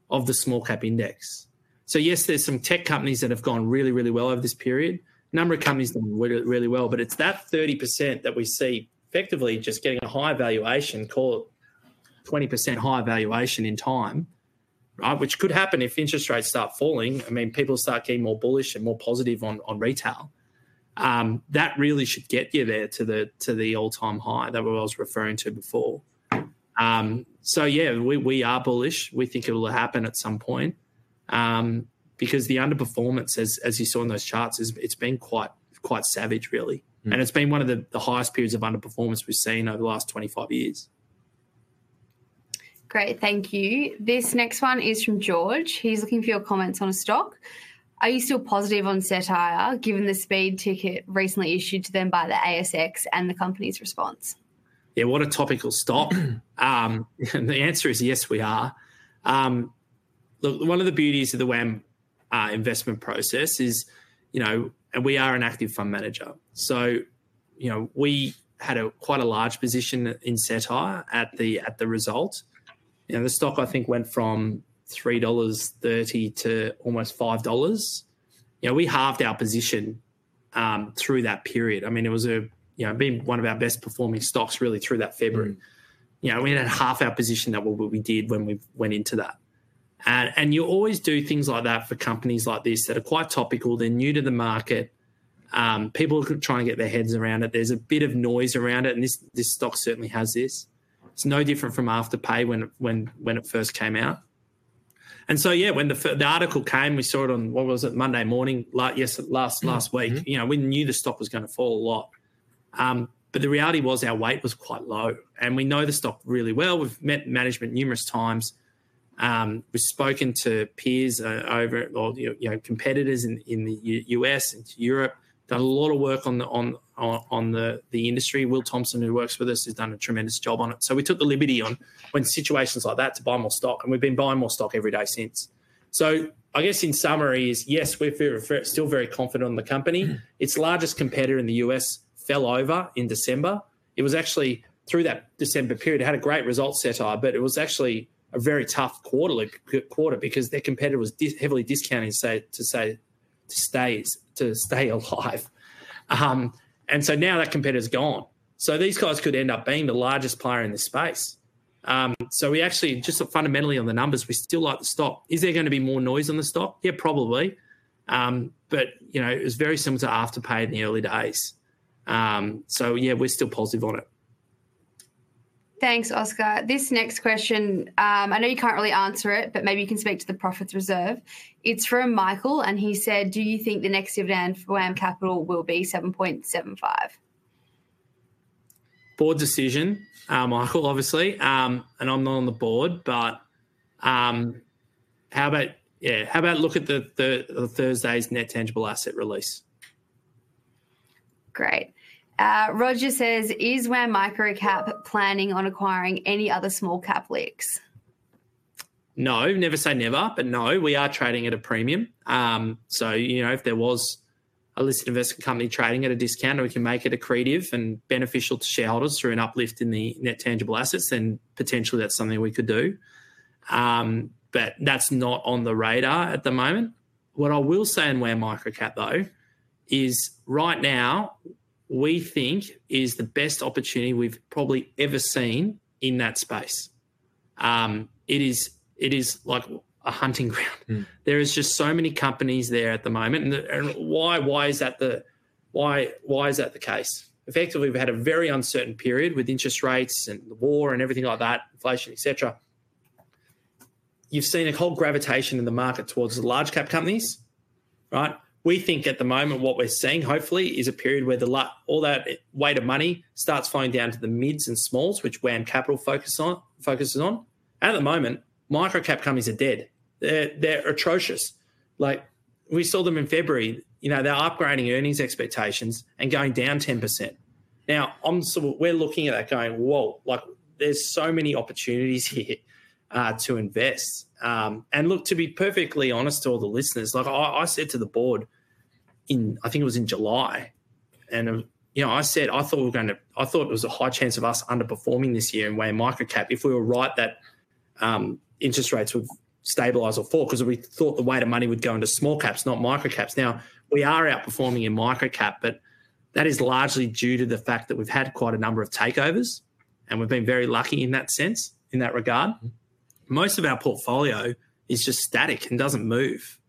S1: of the small cap index. So yes, there's some tech companies that have gone really, really well over this period. A number of companies done really, really well. But it's that 30% that we see effectively just getting a higher valuation, call it 20% higher valuation in time, right, which could happen if interest rates start falling. I mean, people start getting more bullish and more positive on, on retail. That really should get you there to the all-time high that I was referring to before. So yeah, we are bullish. We think it will happen at some point, because the underperformance, as you saw in those charts, it's been quite savage, really. And it's been one of the highest periods of underperformance we've seen over the last 25 years.
S3: Great. Thank you. This next one is from George. He's looking for your comments on a stock. "Are you still positive on Cettire given the speeding ticket recently issued to them by the ASX and the company's response?
S1: Yeah, what a topical stock. The answer is yes, we are. Look, one of the beauties of the WAM investment process is, you know, and we are an active fund manager. So, you know, we had quite a large position in Select at the result. You know, the stock, I think, went from 3.30 dollars to almost 5 dollars. You know, we halved our position through that period. I mean, it was, you know, been one of our best-performing stocks, really, through that February. You know, we had halved our position that what we did when we went into that. And you always do things like that for companies like this that are quite topical. They're new to the market. People are trying to get their heads around it. There's a bit of noise around it. And this stock certainly has this. It's no different from Afterpay when it first came out. And so yeah, when the article came, we saw it on what was it, Monday morning? Yes, last week. You know, we knew the stock was going to fall a lot. But the reality was our weight was quite low. And we know the stock really well. We've met management numerous times. We've spoken to peers, or, you know, competitors in the US and Europe, done a lot of work on the industry. Will Thompson, who works with us, has done a tremendous job on it. So we took the liberty on when situations like that to buy more stock. And we've been buying more stock every day since. So I guess in summary is yes, we're still very confident on the company. Its largest competitor in the US fell over in December. It was actually through that December period. It had a great result, CETIA, but it was actually a very tough quarter because their competitor was heavily discounting to stay alive. And so now that competitor's gone. So these guys could end up being the largest player in this space. So we actually just fundamentally on the numbers, we still like the stock. Is there going to be more noise on the stock? Yeah, probably. But, you know, it was very similar to Afterpay in the early days. So yeah, we're still positive on it.
S3: Thanks, Oscar. This next question, I know you can't really answer it, but maybe you can speak to the Profit Reserve. It's from Michael, and he said, "Do you think the next dividend for WAM Capital will be 7.75?
S1: Board decision, Michael, obviously. I'm not on the board, but, how about yeah, how about look at the, the Thursday's net tangible asset release?
S3: Great. Roger says, "Is WAM Microcap planning on acquiring any other small-cap LICs?
S1: No, never say never. But no, we are trading at a premium. So, you know, if there was a listed investment company trading at a discount, and we can make it accretive and beneficial to shareholders through an uplift in the net tangible assets, then potentially that's something we could do. But that's not on the radar at the moment. What I will say in WAM Microcap, though, is right now, we think is the best opportunity we've probably ever seen in that space. It is, it is like a hunting ground. There is just so many companies there at the moment. And why, why is that the why, why is that the case? Effectively, we've had a very uncertain period with interest rates and the war and everything like that, inflation, etc. You've seen a whole gravitation in the market towards the large cap companies, right? We think at the moment what we're seeing, hopefully, is a period where the all that weight of money starts flowing down to the mids and smalls, which WAM Capital focuses on. At the moment, micro cap companies are dead. They're atrocious. Like, we saw them in February. You know, they're upgrading earnings expectations and going down 10%. Now, I'm so we're looking at that going, "Whoa, like there's so many opportunities here, to invest." And look, to be perfectly honest to all the listeners, like I said to the board in I think it was in July. And, you know, I said I thought it was a high chance of us underperforming this year in WAM Microcap if we were right that interest rates would stabilize or fall because we thought the weight of money would go into small caps, not microcaps. Now, we are outperforming in microcap, but that is largely due to the fact that we've had quite a number of takeovers, and we've been very lucky in that sense in that regard. Most of our portfolio is just static and doesn't move.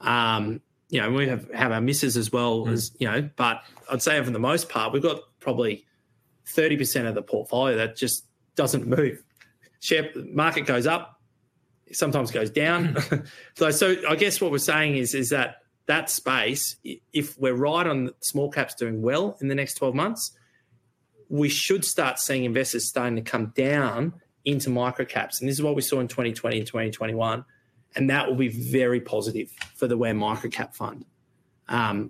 S1: You know, we have our misses as well, you know. But I'd say for the most part, we've got probably 30% of the portfolio that just doesn't move. Share market goes up, sometimes goes down. So I guess what we're saying is that space, if we're right on small caps doing well in the next 12 months, we should start seeing investors starting to come down into micro caps. And this is what we saw in 2020 and 2021. And that will be very positive for the WAM Microcap fund.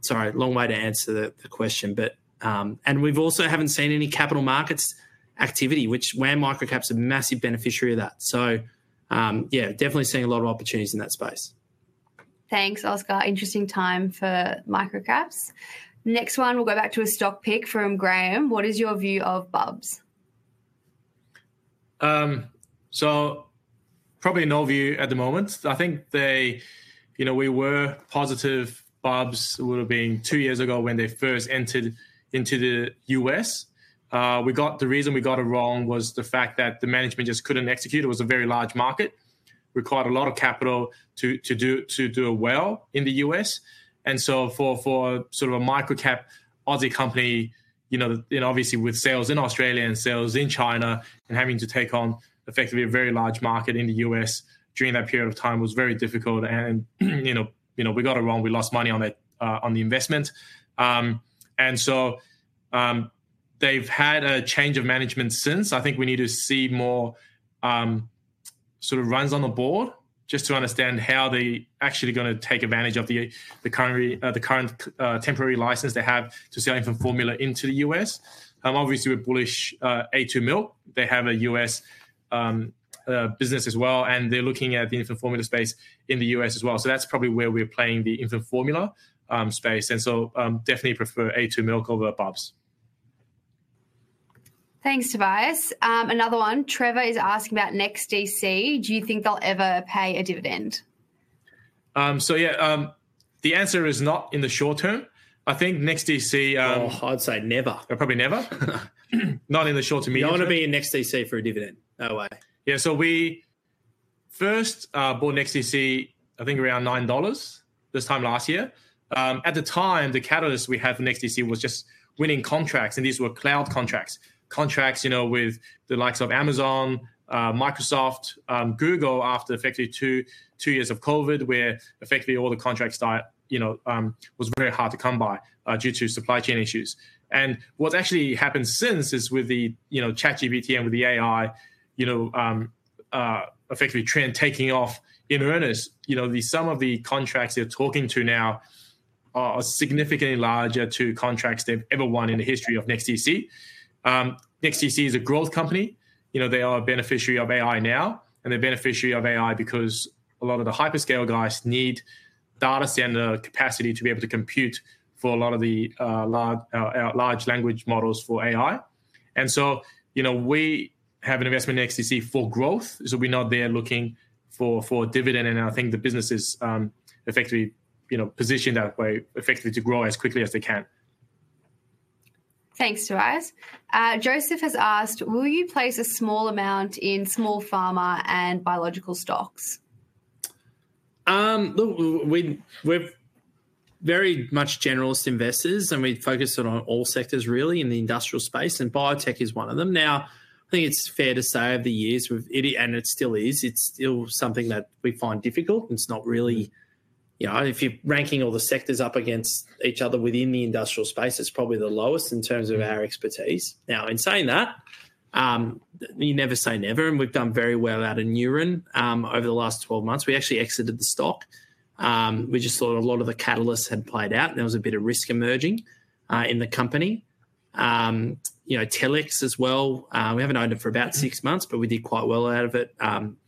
S1: Sorry, long way to answer the question, but and we've also haven't seen any capital markets activity, which WAM Microcap's a massive beneficiary of that. So, yeah, definitely seeing a lot of opportunities in that space.
S3: Thanks, Oscar. Interesting time for micro caps. Next one, we'll go back to a stock pick from Graham. What is your view of Bubs?
S2: So probably no view at the moment. I think they, you know, we were positive. Bubs would have been two years ago when they first entered into the U.S. The reason we got it wrong was the fact that the management just couldn't execute. It was a very large market, required a lot of capital to do it well in the U.S. And so for sort of a micro cap Aussie company, you know, and obviously with sales in Australia and sales in China and having to take on effectively a very large market in the U.S. during that period of time was very difficult. And, you know, we got it wrong. We lost money on that on the investment. And so, they've had a change of management since. I think we need to see more, sort of runs on the board just to understand how they're actually going to take advantage of the current temporary license they have to sell infant formula into the U.S. Obviously, we're bullish A2 Milk. They have a U.S. business as well, and they're looking at the infant formula space in the U.S. as well. So that's probably where we're playing the infant formula space. And so, definitely prefer A2 Milk over Bubs.
S3: Thanks, Tobias. Another one. Trevor is asking about NextDC. Do you think they'll ever pay a dividend?
S2: So yeah, the answer is not in the short term. I think NextDC.
S1: Oh, I'd say never.
S2: Probably never. Not in the short to medium term.
S1: You want to be in NextDC for a dividend? No way.
S2: Yeah. So we first bought NextDC, I think, around 9 dollars this time last year. At the time, the catalyst we had for NextDC was just winning contracts. And these were cloud contracts, you know, with the likes of Amazon, Microsoft, Google after effectively 2 years of COVID where effectively all the contracts died, you know, was very hard to come by, due to supply chain issues. And what's actually happened since is with the, you know, ChatGPT and with the AI, you know, effectively trend taking off in earnest, you know, some of the contracts they're talking to now are significantly larger to contracts they've ever won in the history of NextDC. NextDC is a growth company. You know, they are a beneficiary of AI now, and they're a beneficiary of AI because a lot of the hyperscale guys need data center capacity to be able to compute for a lot of the large language models for AI. And so, you know, we have an investment in NextDC for growth. So we're not there looking for a dividend. And I think the business is, effectively, you know, positioned that way, effectively to grow as quickly as they can.
S3: Thanks, Tobias. Joseph has asked, "Will you place a small amount in small pharma and biological stocks?
S1: Look, we're very much generalist investors, and we focus on all sectors, really, in the industrial space. And biotech is one of them. Now, I think it's fair to say over the years, and it still is, it's still something that we find difficult. It's not really you know, if you're ranking all the sectors up against each other within the industrial space, it's probably the lowest in terms of our expertise. Now, in saying that, you never say never. And we've done very well out of Neuren, over the last 12 months. We actually exited the stock. We just thought a lot of the catalysts had played out. There was a bit of risk emerging, in the company. You know, Telix as well. We haven't owned it for about 6 months, but we did quite well out of it,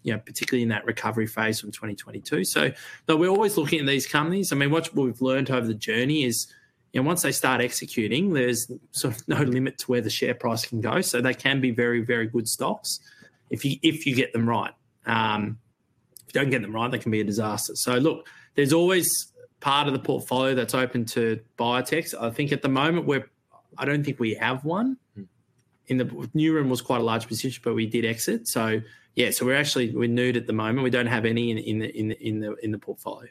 S1: you know, particularly in that recovery phase from 2022. So no, we're always looking at these companies. I mean, what we've learned over the journey is, you know, once they start executing, there's sort of no limit to where the share price can go. So they can be very, very good stocks if you if you get them right. If you don't get them right, they can be a disaster. So look, there's always part of the portfolio that's open to biotech. I think at the moment, we're I don't think we have one. Neuren was quite a large position, but we did exit. So yeah, so we're actually we're nude at the moment. We don't have any in the in the in the portfolio.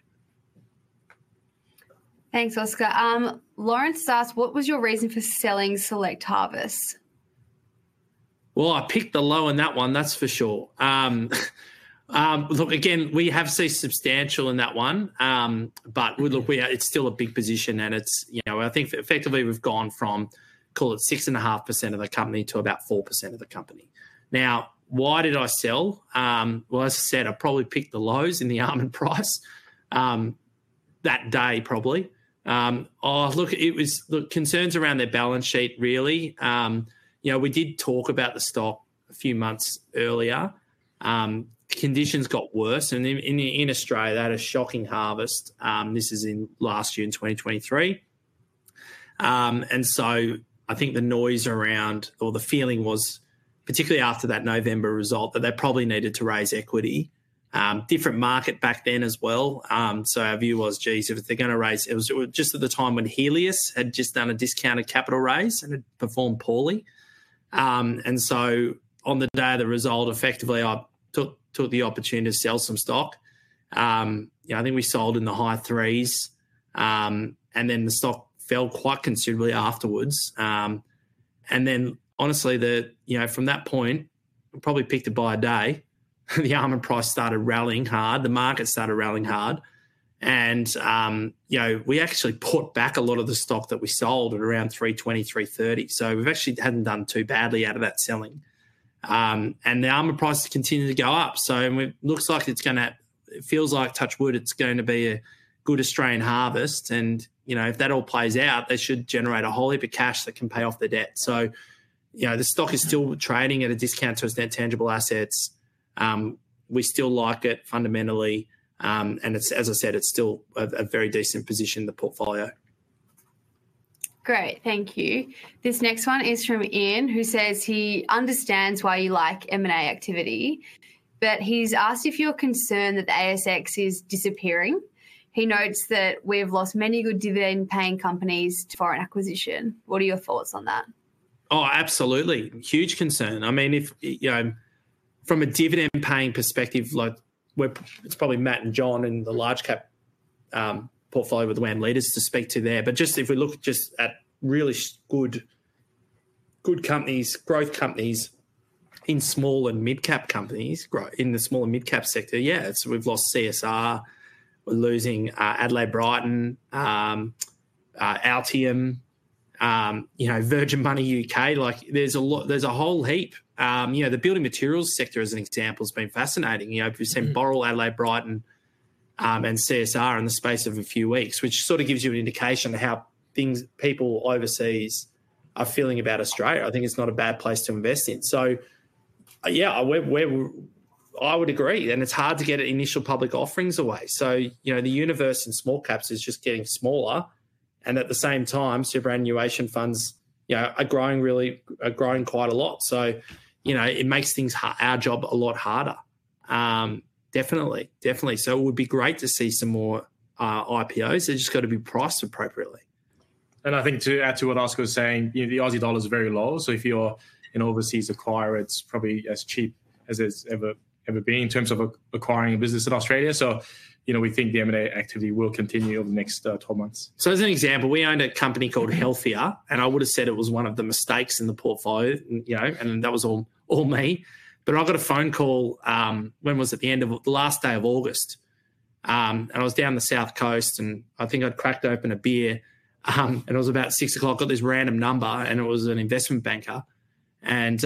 S3: Thanks, Oscar. Lawrence asks, "What was your reason for selling Select Harvests?
S1: Well, I picked the low on that one, that's for sure. Look, again, we have seen substantial in that one. But look, we are, it's still a big position. And it's, you know, I think effectively we've gone from, call it 6.5% of the company to about 4% of the company. Now, why did I sell? Well, as I said, I probably picked the lows in the almond price, that day, probably. Oh, look, it was, look, concerns around their balance sheet, really. You know, we did talk about the stock a few months earlier. Conditions got worse. And in Australia, they had a shocking harvest. This is in last June 2023. And so I think the noise around or the feeling was, particularly after that November result, that they probably needed to raise equity. Different market back then as well. So our view was, geez, if they're going to raise it was just at the time when Helius had just done a discounted capital raise and had performed poorly. And so on the day of the result, effectively, I took the opportunity to sell some stock. You know, I think we sold in the high 3s. And then the stock fell quite considerably afterwards. And then honestly, you know, from that point, we probably picked to buy a day. The All Ords price started rallying hard. The market started rallying hard. And, you know, we actually put back a lot of the stock that we sold at around 3.20, 3.30. So we've actually hadn't done too badly out of that selling. And the All Ords price continued to go up. It looks like it's going to, it feels like touch wood, it's going to be a good Australian harvest. You know, if that all plays out, they should generate a whole heap of cash that can pay off their debt. So, you know, the stock is still trading at a discount to its net tangible assets. We still like it fundamentally. And it's, as I said, it's still a very decent position in the portfolio.
S3: Great. Thank you. This next one is from Ian, who says he understands why you like M&A activity, but he's asked if you're concerned that the ASX is disappearing. He notes that we have lost many good dividend-paying companies to foreign acquisition. What are your thoughts on that?
S2: Oh, absolutely. Huge concern. I mean, if you know, from a dividend-paying perspective, like we're it's probably Matt and John in the large cap, portfolio with WAM Leaders to speak to there. But just if we look just at really good good companies, growth companies in small and mid-cap companies, growth in the small and mid-cap sector, yeah, it's we've lost CSR. We're losing Adelaide Brighton, Altium, you know, Virgin Money UK. Like there's a lot there's a whole heap. You know, the building materials sector, as an example, has been fascinating. You know, if you send Boral, Adelaide Brighton, and CSR in the space of a few weeks, which sort of gives you an indication of how things people overseas are feeling about Australia, I think it's not a bad place to invest in. So yeah, I we're we're I would agree. It's hard to get initial public offerings away. So, you know, the universe in small caps is just getting smaller. And at the same time, superannuation funds, you know, are growing really are growing quite a lot. So, you know, it makes things our job a lot harder. Definitely, definitely. So it would be great to see some more IPOs. They've just got to be priced appropriately. And I think to add to what Oscar was saying, you know, the Aussie dollar is very low. So if you're an overseas acquirer, it's probably as cheap as it's ever ever been in terms of acquiring a business in Australia. So, you know, we think the M&A activity will continue over the next 12 months.
S1: So as an example, we owned a company called Healthia, and I would have said it was one of the mistakes in the portfolio, you know, and that was all me. But I got a phone call, when was it, the end of the last day of August? And I was down the south coast, and I think I'd cracked open a beer. And it was about 6:00 P.M. I got this random number, and it was an investment banker. And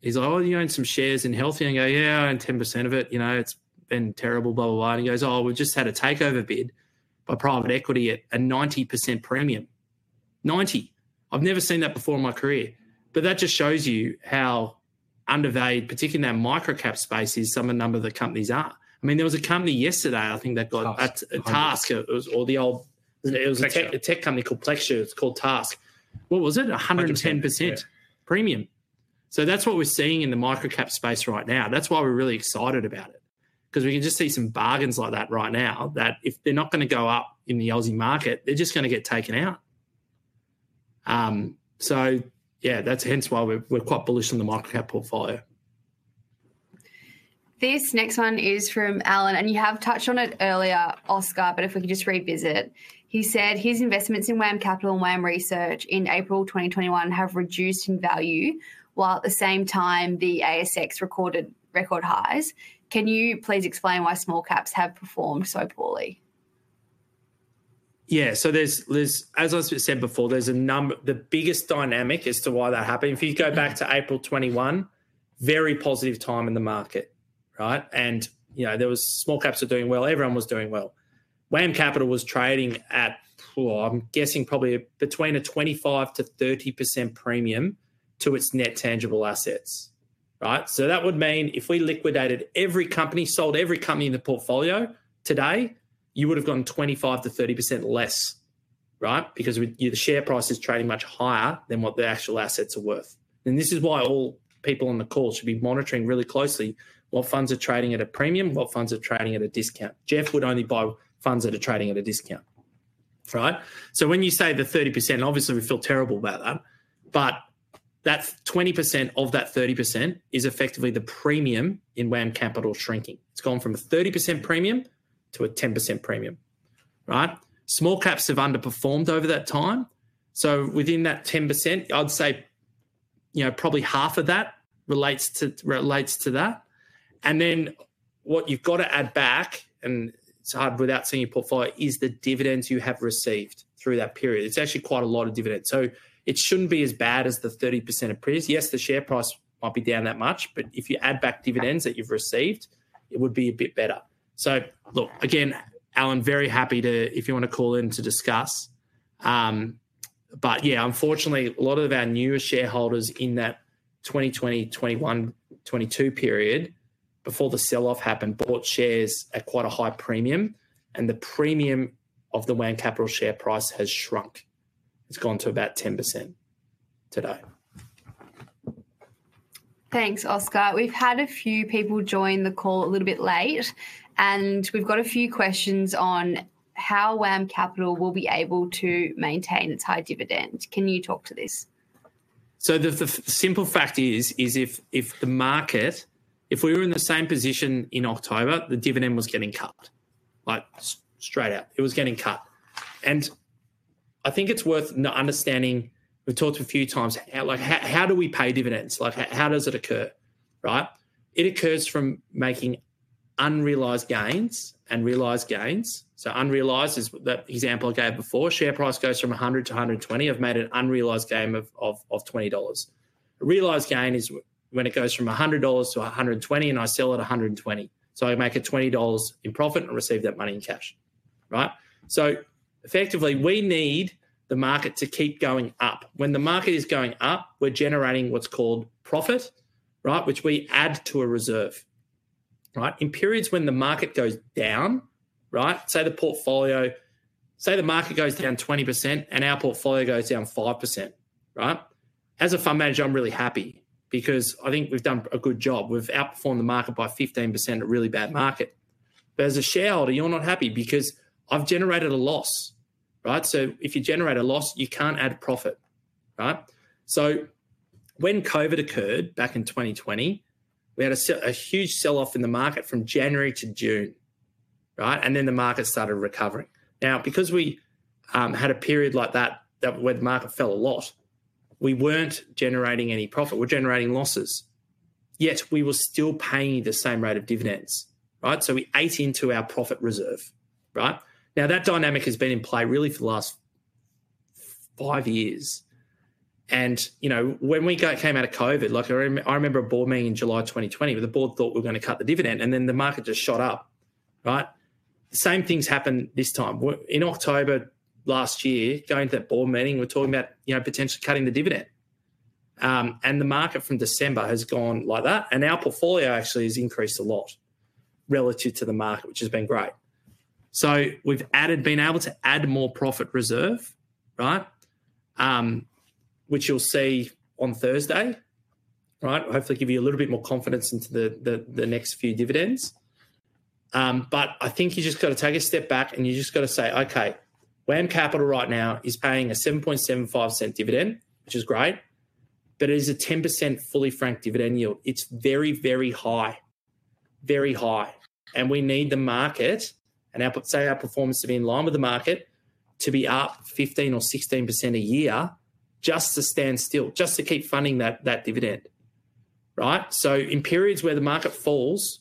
S1: he's like, "Oh, you own some shares in Healthia?" And I go, "Yeah, I own 10% of it. You know, it's been terrible, blah, blah, blah." And he goes, "Oh, we just had a takeover bid by private equity at a 90% premium. 90. I've never seen that before in my career." But that just shows you how undervalued, particularly in that micro cap space, is some of the numbers the companies are. I mean, there was a company yesterday, I think, that got at TASK. It was a tech company called Plexure. It's called TASK. What was it? 110% premium. So that's what we're seeing in the micro cap space right now. That's why we're really excited about it, because we can just see some bargains like that right now that if they're not going to go up in the Aussie market, they're just going to get taken out. So yeah, that's hence why we're quite bullish on the micro cap portfolio.
S3: This next one is from Alan, and you have touched on it earlier, Oscar, but if we could just revisit, he said his investments in WAM Capital and WAM Research in April 2021 have reduced in value while at the same time the ASX recorded record highs. Can you please explain why small caps have performed so poorly?
S1: Yeah. So there's, as I said before, there's a number, the biggest dynamic as to why that happened. If you go back to April 21, very positive time in the market, right? And you know there was small caps are doing well. Everyone was doing well. WAM Capital was trading at, I'm guessing, probably between a 25%-30% premium to its net tangible assets, right? So that would mean if we liquidated every company, sold every company in the portfolio today, you would have gotten 25%-30% less, right? Because the share price is trading much higher than what the actual assets are worth. And this is why all people on the call should be monitoring really closely what funds are trading at a premium, what funds are trading at a discount. Geoff would only buy funds that are trading at a discount, right? So when you say the 30%, and obviously we feel terrible about that, but that 20% of that 30% is effectively the premium in WAM Capital shrinking. It's gone from a 30% premium to a 10% premium, right? Small caps have underperformed over that time. So within that 10%, I'd say you know probably half of that relates to that. And then what you've got to add back, and it's hard without seeing your portfolio, is the dividends you have received through that period. It's actually quite a lot of dividends. So it shouldn't be as bad as the 30% of previous. Yes, the share price might be down that much, but if you add back dividends that you've received, it would be a bit better. So look, again, Alan, very happy to if you want to call in to discuss. yeah, unfortunately, a lot of our newest shareholders in that 2020, 2021, 2022 period, before the sell-off happened, bought shares at quite a high premium. The premium of the WAM Capital share price has shrunk. It's gone to about 10% today.
S3: Thanks, Oscar. We've had a few people join the call a little bit late, and we've got a few questions on how WAM Capital will be able to maintain its high dividend. Can you talk to this?
S1: The simple fact is, if the market, if we were in the same position in October, the dividend was getting cut, like straight out. It was getting cut. I think it's worth understanding we've talked a few times how, like, how do we pay dividends? Like how does it occur, right? It occurs from making unrealized gains and realized gains. So unrealized is that example I gave before. Share price goes from 100 to 120. I've made an unrealized gain of 20 dollars. A realized gain is when it goes from 100 dollars to 120 and I sell at 120. So I make 20 dollars in profit and receive that money in cash, right? So effectively, we need the market to keep going up. When the market is going up, we're generating what's called profit, right, which we add to a reserve, right? In periods when the market goes down, right, say the market goes down 20% and our portfolio goes down 5%, right? As a fund manager, I'm really happy because I think we've done a good job. We've outperformed the market by 15% at really bad market. But as a shareholder, you're not happy because I've generated a loss, right? So if you generate a loss, you can't add profit, right? So when COVID occurred back in 2020, we had a huge sell-off in the market from January to June, right? And then the market started recovering. Now, because we had a period like that where the market fell a lot, we weren't generating any profit. We're generating losses. Yet we were still paying the same rate of dividends, right? So we ate into our profit reserve, right? Now, that dynamic has been in play really for the last five years. And you know when we came out of COVID, like I remember a board meeting in July 2020, where the board thought we were going to cut the dividend and then the market just shot up, right? The same things happened this time. In October last year, going to that board meeting, we're talking about you know potentially cutting the dividend. And the market from December has gone like that. And our portfolio actually has increased a lot relative to the market, which has been great. So we've been able to add more profit reserve, right, which you'll see on Thursday, right? Hopefully give you a little bit more confidence into the next few dividends. But I think you just got to take a step back and you just got to say, "OK, WAM Capital right now is paying a 0.0775 dividend, which is great, but it is a 10% fully franked dividend yield. It's very, very high, very high. And we need the market and our say our performance to be in line with the market to be up 15 or 16% a year just to stand still, just to keep funding that dividend, right?" So in periods where the market falls,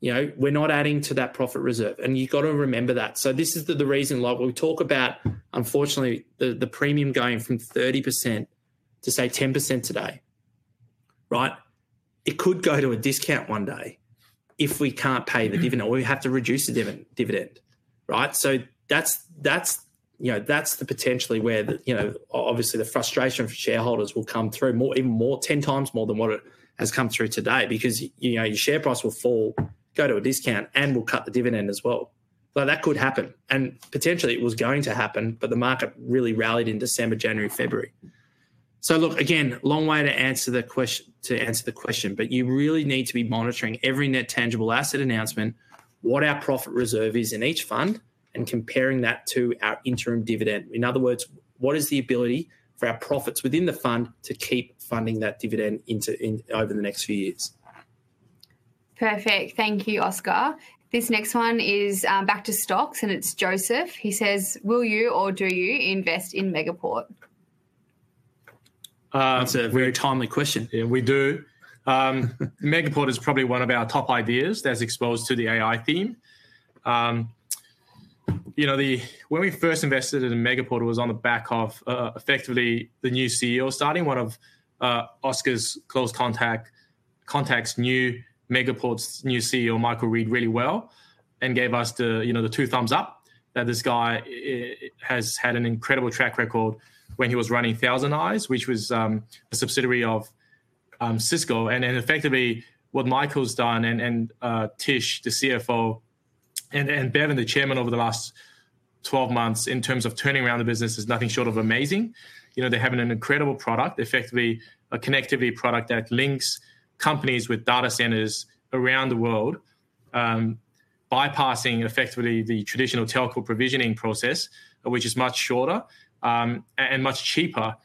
S1: you know we're not adding to that profit reserve. And you've got to remember that. So this is the reason like we talk about, unfortunately, the premium going from 30% to say 10% today, right? It could go to a discount one day if we can't pay the dividend or we have to reduce the dividend, right? So that's, you know, that's the potentially where the, you know, obviously the frustration for shareholders will come through more even more 10 times more than what it has come through today because, you know, your share price will fall, go to a discount, and will cut the dividend as well. Like that could happen. And potentially it was going to happen, but the market really rallied in December, January, February. So look, again, long way to answer the question, but you really need to be monitoring every net tangible asset announcement, what our profit reserve is in each fund, and comparing that to our interim dividend. In other words, what is the ability for our profits within the fund to keep funding that dividend into over the next few years?
S3: Perfect. Thank you, Oscar. This next one is back to stocks, and it's Joseph. He says, "Will you or do you invest in Megaport?
S2: That's a very timely question. We do. Megaport is probably one of our top ideas that's exposed to the AI theme. You know when we first invested in Megaport, it was on the back of effectively the new CEO starting. One of Oscar's close contacts knew Megaport's new CEO, Michael Reid, really well and gave us the you know the two thumbs up that this guy has had an incredible track record when he was running ThousandEyes, which was a subsidiary of Cisco. And effectively, what Michael's done and Tish, the CFO, and Bevan, the chairman, over the last 12 months in terms of turning around the business is nothing short of amazing. You know they're having an incredible product, effectively a connectivity product that links companies with data centers around the world, bypassing effectively the traditional telco provisioning process, which is much shorter and much cheaper.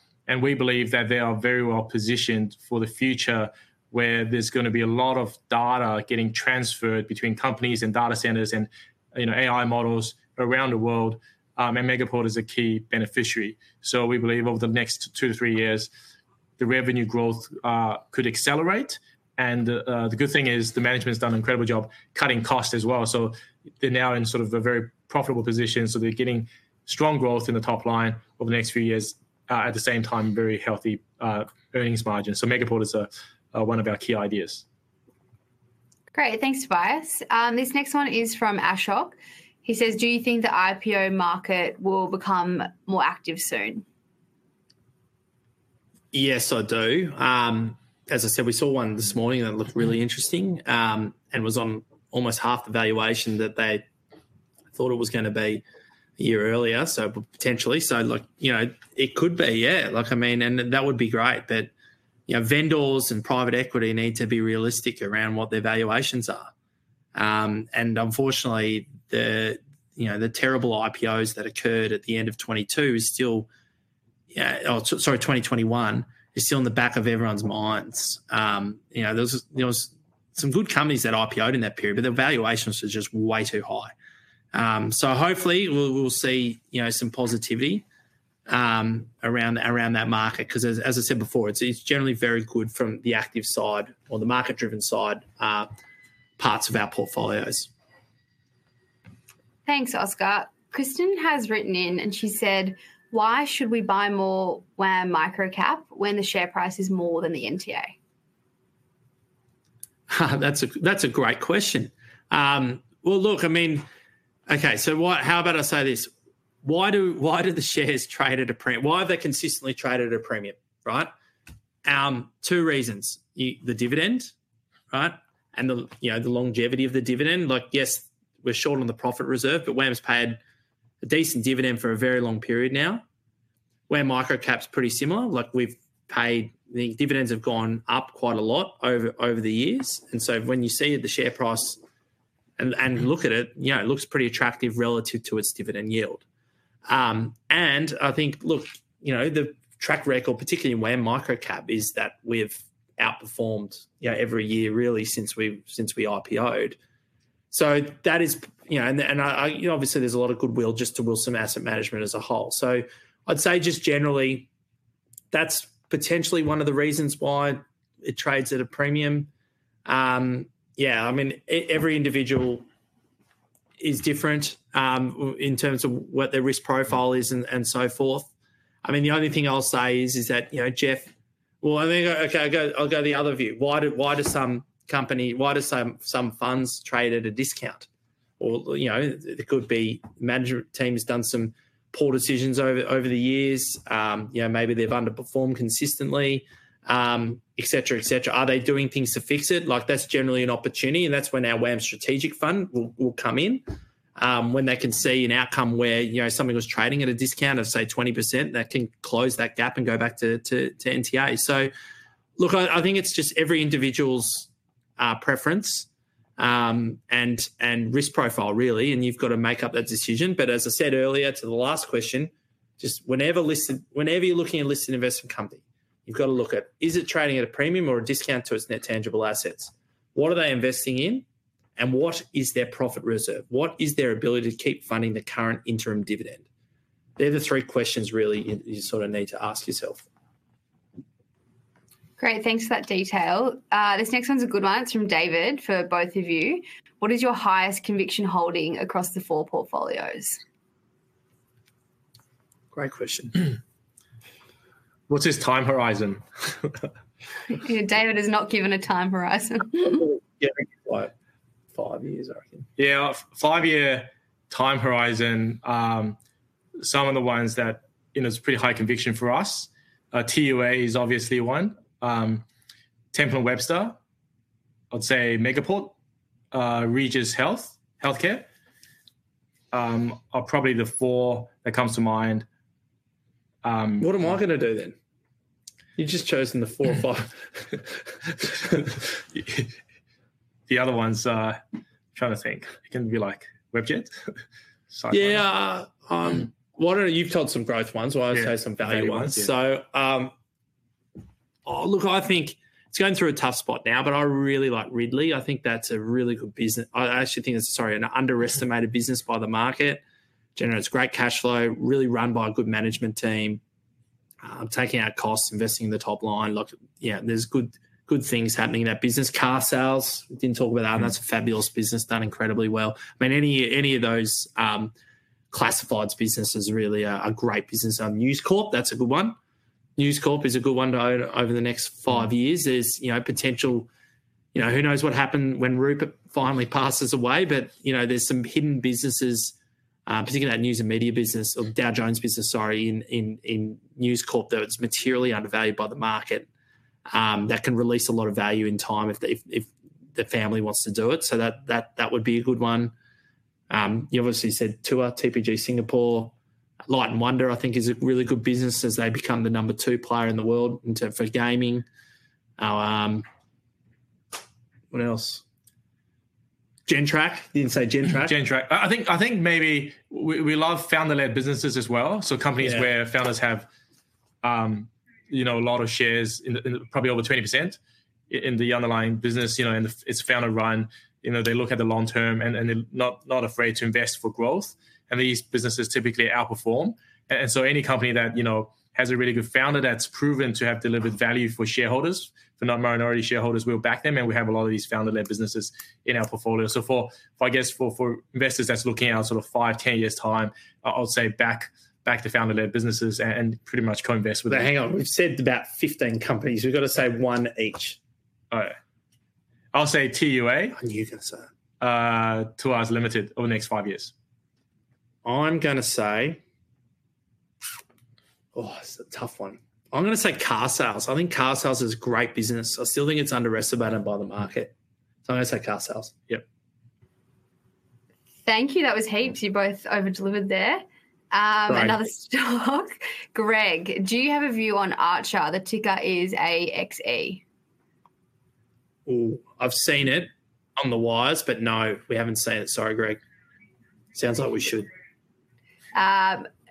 S2: We believe that they are very well positioned for the future where there's going to be a lot of data getting transferred between companies and data centers and you know AI models around the world. Megaport is a key beneficiary. We believe over the next 2-3 years, the revenue growth could accelerate. The good thing is the management's done an incredible job cutting costs as well. They're now in sort of a very profitable position. They're getting strong growth in the top line over the next few years, at the same time, very healthy earnings margins. Megaport is one of our key ideas.
S3: Great. Thanks, Tobias. This next one is from Ashok. He says, "Do you think the IPO market will become more active soon?
S1: Yes, I do. As I said, we saw one this morning that looked really interesting and was on almost half the valuation that they thought it was going to be a year earlier, so potentially. So like you know it could be, yeah. Like I mean, and that would be great. But you know vendors and private equity need to be realistic around what their valuations are. And unfortunately, the you know terrible IPOs that occurred at the end of 2022, sorry, 2021, is still in the back of everyone's minds. You know there was some good companies that IPOed in that period, but their valuations were just way too high. So hopefully, we'll see you know some positivity around that market because, as I said before, it's generally very good from the active side or the market-driven side parts of our portfolios.
S3: Thanks, Oscar. Kristen has written in, and she said, "Why should we buy more WAM Microcap when the share price is more than the NTA?
S1: That's a great question. Well, look, I mean, OK, so, what, how about I say this? Why have they consistently traded at a premium, right? Two reasons. The dividend, right, and the longevity of the dividend. Like, yes, we're short on the profit reserve, but WAM's paid a decent dividend for a very long period now. WAM Microcap's pretty similar. Like, we've paid the dividends have gone up quite a lot over the years. And so when you see it, the share price and look at it, you know it looks pretty attractive relative to its dividend yield. And I think, look, you know the track record, particularly in WAM Microcap, is that we've outperformed you know every year, really, since we IPOed. So that is, you know, and obviously, there's a lot of goodwill just to Wilson Asset Management as a whole. So I'd say just generally, that's potentially one of the reasons why it trades at a premium. Yeah, I mean, every individual is different in terms of what their risk profile is and so forth. I mean, the only thing I'll say is that you know Geoff Wilson, I think. OK, I'll go the other view. Why does some company, why do some funds trade at a discount? Or, you know, it could be the management team has done some poor decisions over the years. You know, maybe they've underperformed consistently, et cetera, et cetera. Are they doing things to fix it? Like that's generally an opportunity, and that's when our WAM Strategic Value will come in, when they can see an outcome where you know something was trading at a discount of, say, 20%, that can close that gap and go back to NTA. So look, I think it's just every individual's preference and risk profile, really. And you've got to make up that decision. But as I said earlier, to the last question, just whenever you're looking at a listed investment company, you've got to look at, is it trading at a premium or a discount to its net tangible assets? What are they investing in? And what is their profit reserve? What is their ability to keep funding the current interim dividend? They're the three questions, really, you sort of need to ask yourself.
S3: Great. Thanks for that detail. This next one's a good one. It's from David for both of you. What is your highest conviction holding across the four portfolios?
S1: Great question. What's his time horizon?
S3: David has not given a time horizon.
S1: Five years, I reckon. Yeah, five-year time horizon. Some of the ones that you know is pretty high conviction for us. TUA is obviously one. Temple & Webster. I'd say Megaport. Regis Healthcare. Are probably the four that come to mind.
S2: What am I going to do then? You've just chosen the four or five.
S1: The other ones I'm trying to think. It can be like WebJet.
S2: Yeah. You've told some growth ones, or I'll say some value ones. So look, I think it's going through a tough spot now, but I really like Ridley. I think that's a really good business. I actually think it's, sorry, an underestimated business by the market. Generates great cash flow, really run by a good management team, taking out costs, investing in the top line. Look, yeah, there's good things happening in that business. carsales.com, we didn't talk about that. That's a fabulous business done incredibly well. I mean, any of those classifieds businesses really are great businesses. News Corp, that's a good one. News Corp is a good one to own over the next five years. There's, you know, potential, you know, who knows what happens when Rupert finally passes away, but you know there's some hidden businesses, particularly that news and media business or Dow Jones business, sorry, in News Corp that's materially undervalued by the market that can release a lot of value in time if the family wants to do it. So that would be a good one. You obviously said TUA, TPG Singapore. Light & Wonder, I think, is a really good business as they become the number two player in the world for gaming. What else? Gentrack. Didn't say Gentrack. Gentrack. I think maybe we love founder-led businesses as well. So companies where founders have, you know, a lot of shares, probably over 20%, in the underlying business. You know it's founder-run. You know they look at the long term and they're not afraid to invest for growth. These businesses typically outperform. So any company that you know has a really good founder that's proven to have delivered value for shareholders, for non-minority shareholders, we'll back them. We have a lot of these founder-led businesses in our portfolio. So for, I guess, for investors that's looking out sort of 5, 10 years' time, I'll say back the founder-led businesses and pretty much co-invest with them.
S1: Now, hang on. We've said about 15 companies. We've got to say one each.
S2: OK. I'll say TUA.
S1: You're going to say?
S2: TUA is limited over the next five years.
S1: I'm going to say, oh, that's a tough one. I'm going to say carsales. I think carsales is a great business. I still think it's underestimated by the market. So I'm going to say carsales. Yep.
S3: Thank you. That was heaps. You both overdelivered there. Another stock. Greg, do you have a view on Archer? The ticker is AXE.
S1: Oh, I've seen it on the wires, but no, we haven't seen it. Sorry, Greg. Sounds like we should.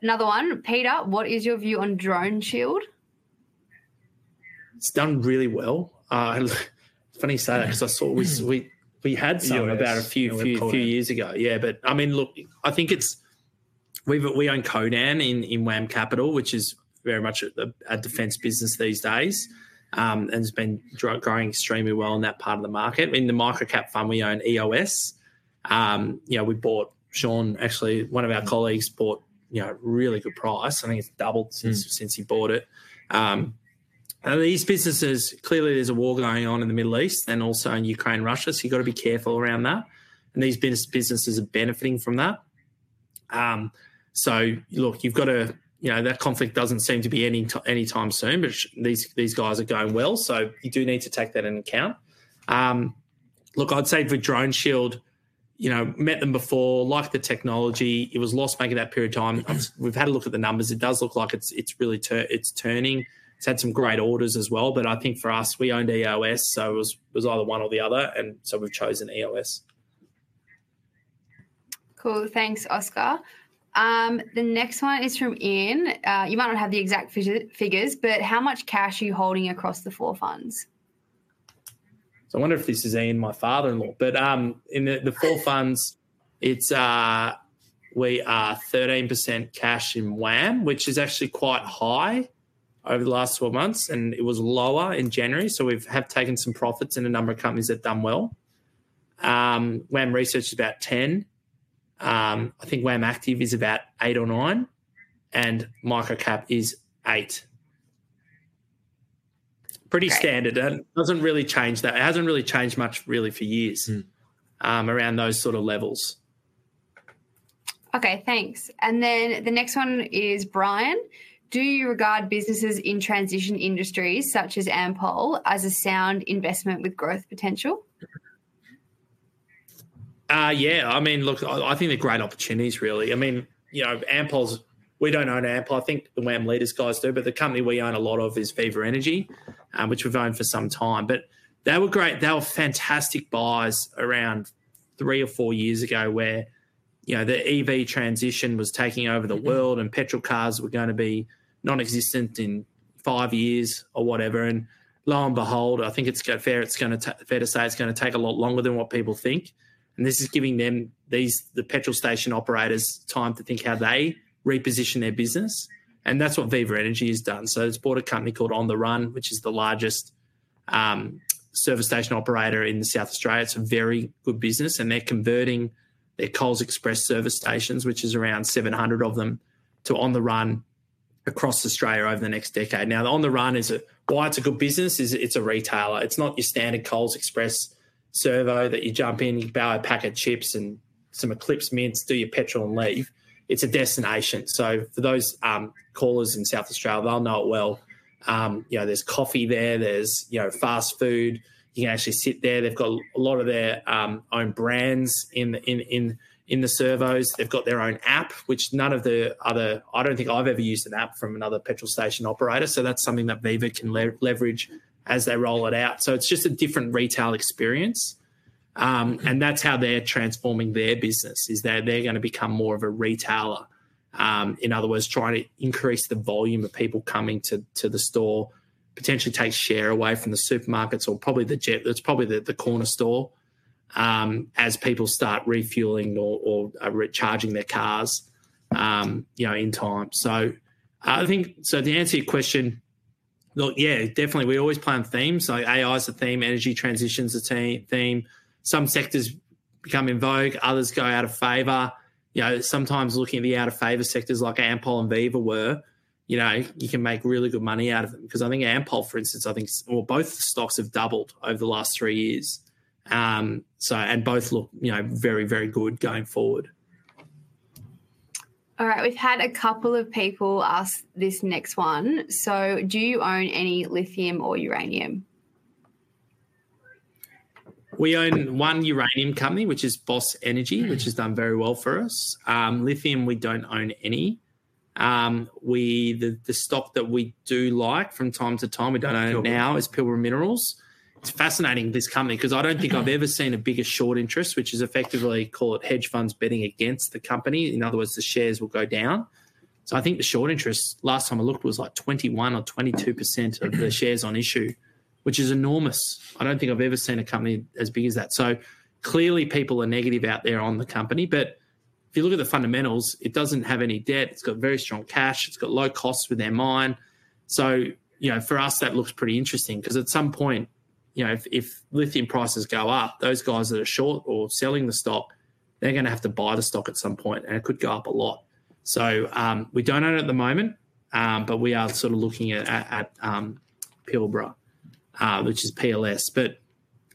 S3: Another one. Peter, what is your view on DroneShield?
S1: It's done really well. It's funny you say that because I thought we had some about a few years ago. Yeah, but I mean, look, I think it's we own Codan in WAM Capital, which is very much a defense business these days and has been growing extremely well in that part of the market. In the micro cap fund, we own EOS. You know we bought Shaun, actually, one of our colleagues bought at a really good price. I think it's doubled since he bought it. And these businesses, clearly, there's a war going on in the Middle East and also in Ukraine and Russia. So you've got to be careful around that. And these businesses are benefiting from that. So look, you've got to you know that conflict doesn't seem to be ending anytime soon, but these guys are going well. So you do need to take that into account. Look, I'd say for DroneShield, you know, met them before. Liked the technology. It was lost back in that period of time. We've had a look at the numbers. It does look like it's really turning. It's had some great orders as well. But I think for us, we owned EOS. So it was either one or the other. And so we've chosen EOS.
S3: Cool. Thanks, Oscar. The next one is from Ian. You might not have the exact figures, but how much cash are you holding across the four funds?
S1: So I wonder if this is Ian, my father-in-law. But in the four funds, we are 13% cash in WAM, which is actually quite high over the last 12 months. And it was lower in January. So we have taken some profits in a number of companies that have done well. WAM Research is about 10%. I think WAM Active is about 8% or 9%. And WAM Microcap is 8%. Pretty standard. It doesn't really change that. It hasn't really changed much, really, for years around those sort of levels.
S3: OK, thanks. And then the next one is Brian. Do you regard businesses in transition industries such as Ampol as a sound investment with growth potential?
S1: Yeah. I mean, look, I think they're great opportunities, really. I mean, you know, Ampol, we don't own Ampol. I think the WAM Leaders' guys do. But the company we own a lot of is Viva Energy, which we've owned for some time. But they were great. They were fantastic buys around three or four years ago where you know the EV transition was taking over the world and petrol cars were going to be nonexistent in five years or whatever. And lo and behold, I think it's fair to say it's going to take a lot longer than what people think. And this is giving the petrol station operators time to think how they reposition their business. And that's what Viva Energy has done. So it's bought a company called On the Run, which is the largest service station operator in South Australia. It's a very good business. And they're converting their Coles Express service stations, which is around 700 of them, to On the Run across Australia over the next decade. Now, the On the Run is a why it's a good business is it's a retailer. It's not your standard Coles Express servo that you jump in, you buy a pack of chips and some Eclipse mints, do your petrol, and leave. It's a destination. So for those callers in South Australia, they'll know it well. You know there's coffee there. There's you know fast food. You can actually sit there. They've got a lot of their own brands in the servos. They've got their own app, which none of the other I don't think I've ever used an app from another petrol station operator. So that's something that Viva can leverage as they roll it out. So it's just a different retail experience. That's how they're transforming their business, is they're going to become more of a retailer. In other words, trying to increase the volume of people coming to the store, potentially take share away from the supermarkets or probably the jet that's probably the corner store as people start refueling or charging their cars you know in time. So I think so to answer your question, look, yeah, definitely, we always plan themes. So AI is a theme. Energy transition is a theme. Some sectors become in vogue. Others go out of favor. You know sometimes looking at the out-of-favor sectors like Ampol and Viva were, you know you can make really good money out of them because I think Ampol, for instance, I think well, both stocks have doubled over the last three years. So and both look you know very, very good going forward.
S3: All right. We've had a couple of people ask this next one. So do you own any lithium or uranium?
S1: We own one uranium company, which is Boss Energy, which has done very well for us. Lithium, we don't own any. The stock that we do like from time to time, we don't own now, is Pilbara Minerals. It's fascinating, this company, because I don't think I've ever seen a bigger short interest, which is effectively, call it hedge funds betting against the company. In other words, the shares will go down. So I think the short interest last time I looked was like 21% or 22% of the shares on issue, which is enormous. I don't think I've ever seen a company as big as that. So clearly, people are negative out there on the company. But if you look at the fundamentals, it doesn't have any debt. It's got very strong cash. It's got low costs within mine. So you know for us, that looks pretty interesting because at some point, you know if lithium prices go up, those guys that are short or selling the stock, they're going to have to buy the stock at some point. And it could go up a lot. So we don't own it at the moment. But we are sort of looking at Pilbara, which is PLS. But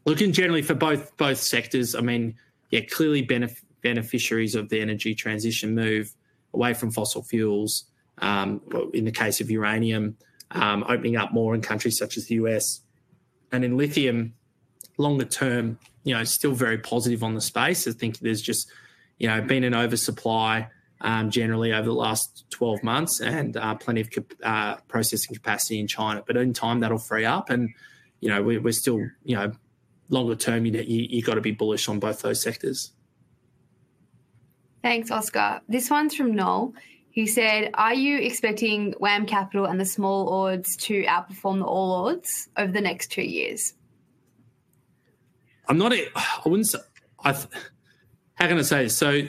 S1: looking generally for both sectors, I mean, yeah, clearly, beneficiaries of the energy transition move away from fossil fuels. In the case of uranium, opening up more in countries such as the U.S. And in lithium, longer term, you know still very positive on the space. I think there's just you know been an oversupply, generally, over the last 12 months and plenty of processing capacity in China. But in time, that'll free up. You know, we're still, you know, longer term, you've got to be bullish on both those sectors.
S3: Thanks, Oscar. This one's from Noel. He said, are you expecting WAM Capital and the Small Ords to outperform the All Ords over the next two years?
S1: I'm not I wouldn't how can I say this? So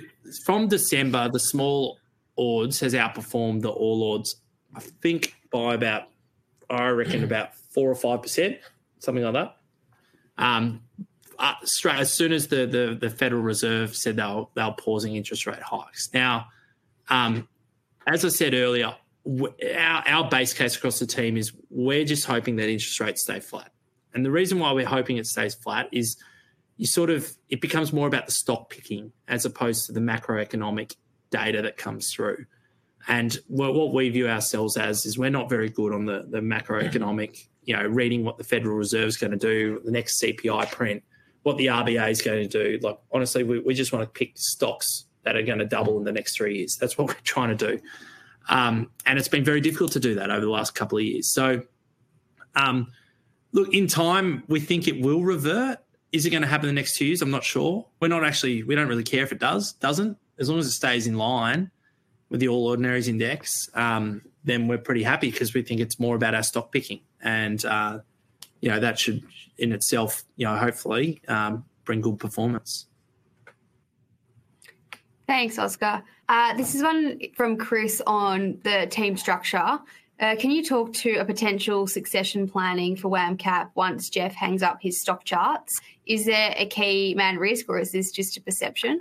S1: from December, the Small Ordinaries Index has outperformed the All Ordinaries Index, I think, by about I reckon about 4% or 5%, something like that, as soon as the Federal Reserve said they'll pause interest rate hikes. Now, as I said earlier, our base case across the team is we're just hoping that interest rates stay flat. And the reason why we're hoping it stays flat is you sort of it becomes more about the stock picking as opposed to the macroeconomic data that comes through. And what we view ourselves as is we're not very good on the macroeconomic, you know reading what the Federal Reserve is going to do, the next CPI print, what the RBA is going to do. Like honestly, we just want to pick stocks that are going to double in the next three years. That's what we're trying to do. And it's been very difficult to do that over the last couple of years. So look, in time, we think it will revert. Is it going to happen in the next two years? I'm not sure. We're not actually we don't really care if it does, doesn't. As long as it stays in line with the All Ordinaries Index, then we're pretty happy because we think it's more about our stock picking. And you know that should in itself, you know hopefully, bring good performance.
S3: Thanks, Oscar. This is one from Chris on the team structure. Can you talk to a potential succession planning for WAM Cap once Geoff hangs up his stock charts? Is there a key man risk, or is this just a perception?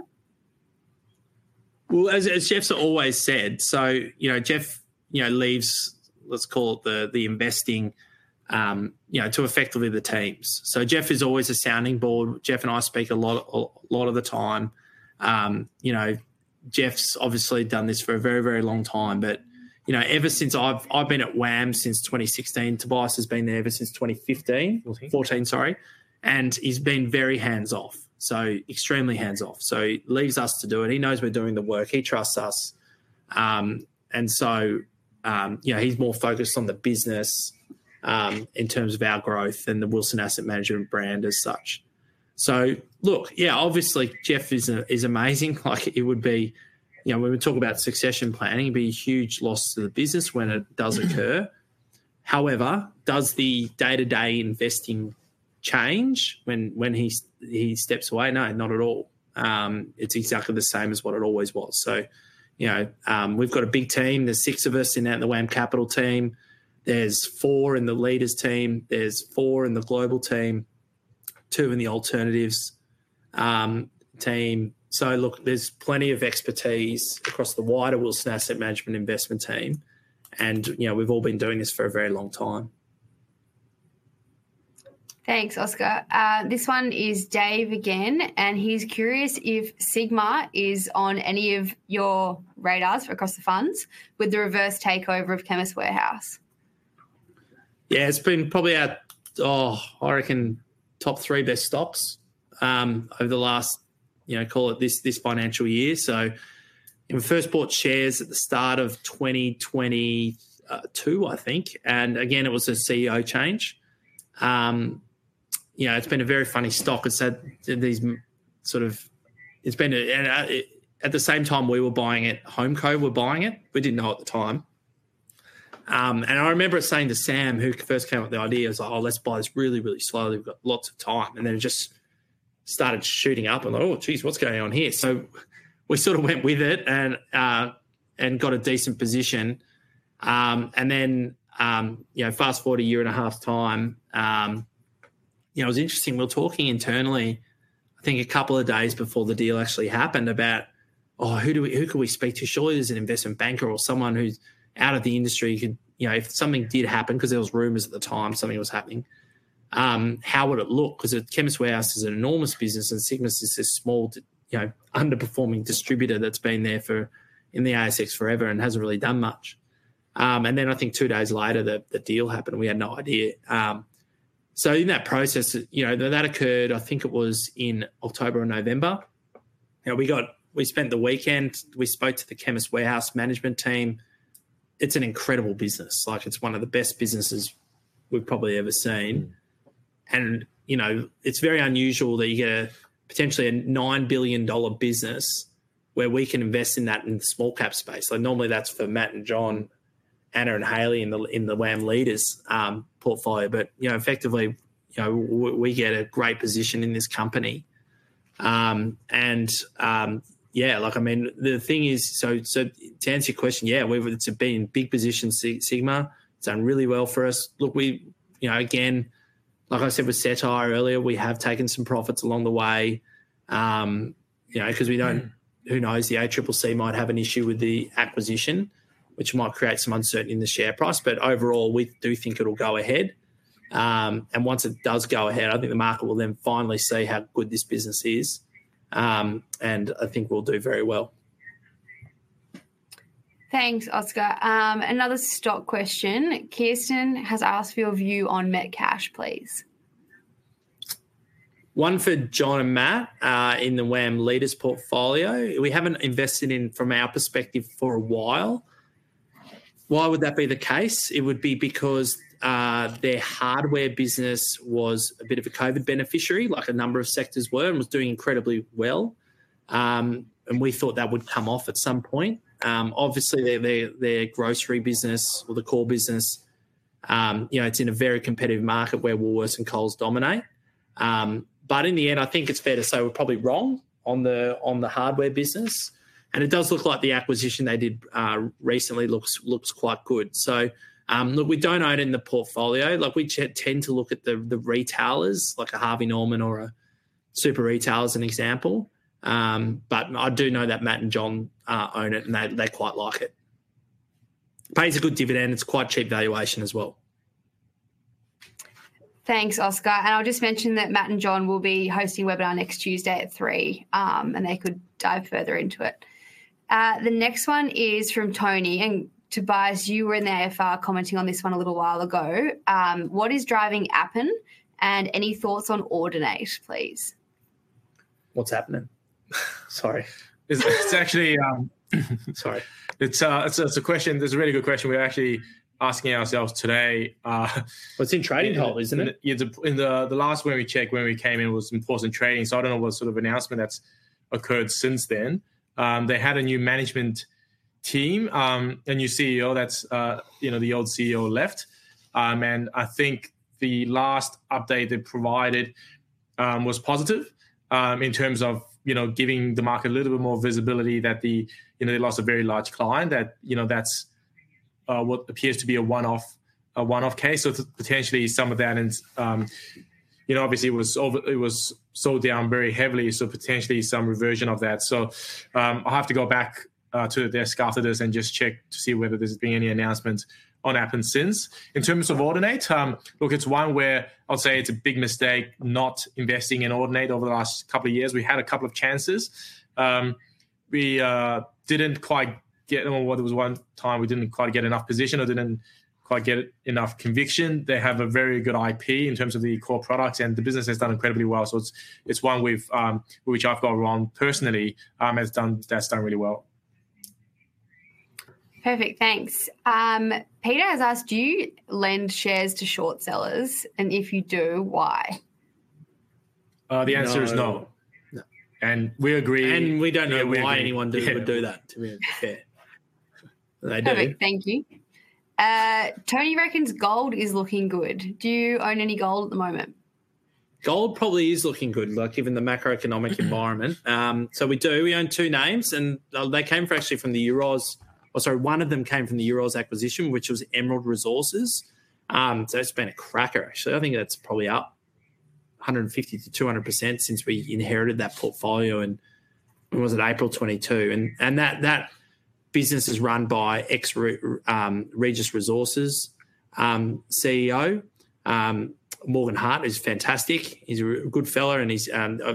S1: Well, as Geoff's always said, so you know Geoff you know leaves, let's call it, the investing you know to effectively the teams. So Geoff is always a sounding board. Geoff and I speak a lot of the time. You know Geoff's obviously done this for a very, very long time. But you know ever since I've been at WAM since 2016, Tobias has been there ever since 2015, 2014, sorry, and he's been very hands-off, so extremely hands-off. So he leaves us to do it. He knows we're doing the work. He trusts us. And so you know he's more focused on the business in terms of our growth than the Wilson Asset Management brand as such. So look, yeah, obviously, Geoff is amazing. Like it would be you know when we talk about succession planning, it'd be a huge loss to the business when it does occur. However, does the day-to-day investing change when he steps away? No, not at all. It's exactly the same as what it always was. So you know we've got a big team. There's 6 of us in the WAM Capital team. There's 4 in the leaders' team. There's 4 in the global team, 2 in the alternatives team. So look, there's plenty of expertise across the wider Wilson Asset Management investment team. And you know we've all been doing this for a very long time.
S3: Thanks, Oscar. This one is Dave again. And he's curious if Sigma is on any of your radars across the funds with the reverse takeover of Chemist Warehouse.
S1: Yeah, it's been probably our top three best stocks over the last, you know, call it this financial year. So we first bought shares at the start of 2022, I think. And again, it was a CEO change. You know, it's been a very funny stock. It's had these sort of, it's been at the same time we were buying it. HomeCo were buying it. We didn't know at the time. And I remember saying to Sam, who first came up with the idea, he was like, oh, let's buy this really, really slowly. We've got lots of time. And then it just started shooting up. I'm like, oh, jeez, what's going on here? So we sort of went with it and got a decent position. And then, you know, fast forward a year and a half time. You know, it was interesting. We were talking internally, I think, a couple of days before the deal actually happened about, oh, who can we speak to? Surely there's an investment banker or someone who's out of the industry. You know if something did happen because there was rumors at the time something was happening, how would it look? Because Chemist Warehouse is an enormous business. And Sigma's just a small, you know underperforming distributor that's been there in the ASX forever and hasn't really done much. And then I think two days later, the deal happened. We had no idea. So in that process, you know that occurred. I think it was in October or November. Now, we spent the weekend. We spoke to the Chemist Warehouse management team. It's an incredible business. Like it's one of the best businesses we've probably ever seen. You know it's very unusual that you get a potentially a 9 billion dollar business where we can invest in that in the small cap space. Normally, that's for Matt and John, Anna, and Haley in the WAM Leaders' portfolio. But you know effectively, you know we get a great position in this company. And yeah, like I mean, the thing is so to answer your question, yeah, it's been in big positions, Sigma. It's done really well for us. Look, we you know again, like I said with Select earlier, we have taken some profits along the way you know because we don't who knows? The ACCC might have an issue with the acquisition, which might create some uncertainty in the share price. But overall, we do think it'll go ahead. Once it does go ahead, I think the market will then finally see how good this business is. I think we'll do very well.
S3: Thanks, Oscar. Another stock question. Kirsten has asked for your view on Metcash, please.
S1: One for John and Matt in the WAM Leaders' portfolio. We haven't invested in, from our perspective, for a while. Why would that be the case? It would be because their hardware business was a bit of a COVID beneficiary, like a number of sectors were, and was doing incredibly well. We thought that would come off at some point. Obviously, their grocery business or the core business, you know it's in a very competitive market where Woolworths and Coles dominate. But in the end, I think it's fair to say we're probably wrong on the hardware business. And it does look like the acquisition they did recently looks quite good. Look, we don't own it in the portfolio. Like we tend to look at the retailers, like a Harvey Norman or a Super Retail as an example. But I do know that Matt and John own it, and they quite like it. Pays a good dividend. It's quite cheap valuation as well.
S3: Thanks, Oscar. I'll just mention that Matt and John will be hosting a webinar next Tuesday at 3:00 P.M., and they could dive further into it. The next one is from Tony. Tobias, you were in the AFR commenting on this one a little while ago. What is driving Appen? Any thoughts on Audinate, please?
S1: What's happening? Sorry. It's actually sorry. It's a question. There's a really good question we're actually asking ourselves today. But it's in trading hold, isn't it? In the last one we checked when we came in, it was important trading. So I don't know what sort of announcement that's occurred since then. They had a new management team, a new CEO that's you know the old CEO left. And I think the last update they provided was positive in terms of you know giving the market a little bit more visibility that you know they lost a very large client. That you know that's what appears to be a one-off case. So potentially, some of that and you know obviously, it was sold down very heavily. So potentially, some reversion of that. So I'll have to go back to their shareholders and just check to see whether there's been any announcements on Appen since. In terms of Audinate, look, it's one where I'll say it's a big mistake not investing in Audinate over the last couple of years. We had a couple of chances. We didn't quite get I don't know what it was one time. We didn't quite get enough position or didn't quite get enough conviction. They have a very good IP in terms of the core products. And the business has done incredibly well. So it's one which I've got wrong personally has done that's done really well.
S3: Perfect. Thanks. Peter has asked, do you lend shares to short sellers? And if you do, why?
S1: The answer is no. We agree. We don't know why anyone would do that, to be fair. They do.
S3: Perfect. Thank you. Tony reckons gold is looking good. Do you own any gold at the moment?
S1: Gold probably is looking good, like given the macroeconomic environment. So we do. We own two names. And they came actually from the Westoz or sorry, one of them came from the Westoz acquisition, which was Emerald Resources. So it's been a cracker, actually. I think that's probably up 150%-200% since we inherited that portfolio. And was it April 2022? And that business is run by ex-Regis Resources CEO. Morgan Hart is fantastic. He's a good fellow. And he's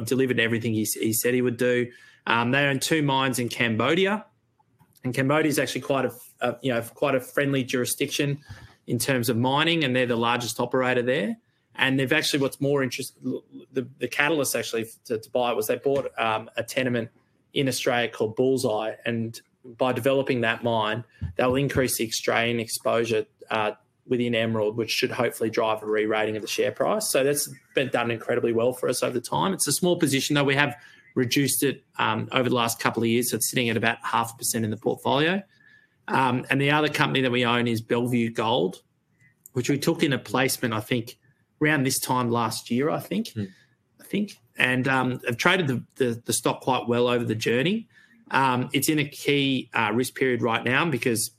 S1: delivered everything he said he would do. They own two mines in Cambodia. And Cambodia is actually quite a you know friendly jurisdiction in terms of mining. And they're the largest operator there. And they've actually what's more interesting the catalyst, actually, to buy it was they bought a tenement in Australia called Bullseye. By developing that mine, that will increase the exchange exposure within Emerald, which should hopefully drive a rerating of the share price. That's been done incredibly well for us over time. It's a small position, though. We have reduced it over the last couple of years. It's sitting at about 0.5% in the portfolio. The other company that we own is Bellevue Gold, which we took in a placement, I think, around this time last year, I think. I think. I've traded the stock quite well over the journey. It's in a key risk period right now because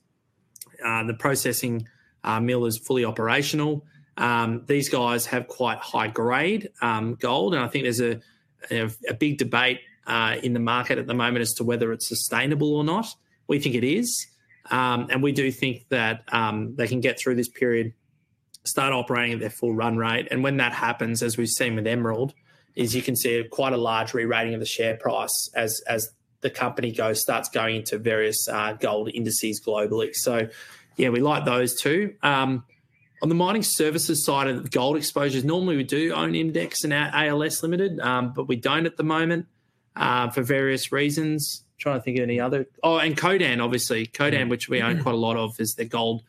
S1: the processing mill is fully operational. These guys have quite high-grade gold. I think there's a big debate in the market at the moment as to whether it's sustainable or not. We think it is. We do think that they can get through this period, start operating at their full run rate. And when that happens, as we've seen with Emerald, is you can see quite a large rerating of the share price as the company starts going into various gold indices globally. So yeah, we like those two. On the mining services side of the gold exposures, normally, we do own Imdex and ALS Limited, but we don't at the moment for various reasons. Trying to think of any other oh, and Codan, obviously. Codan, which we own quite a lot of, is their gold.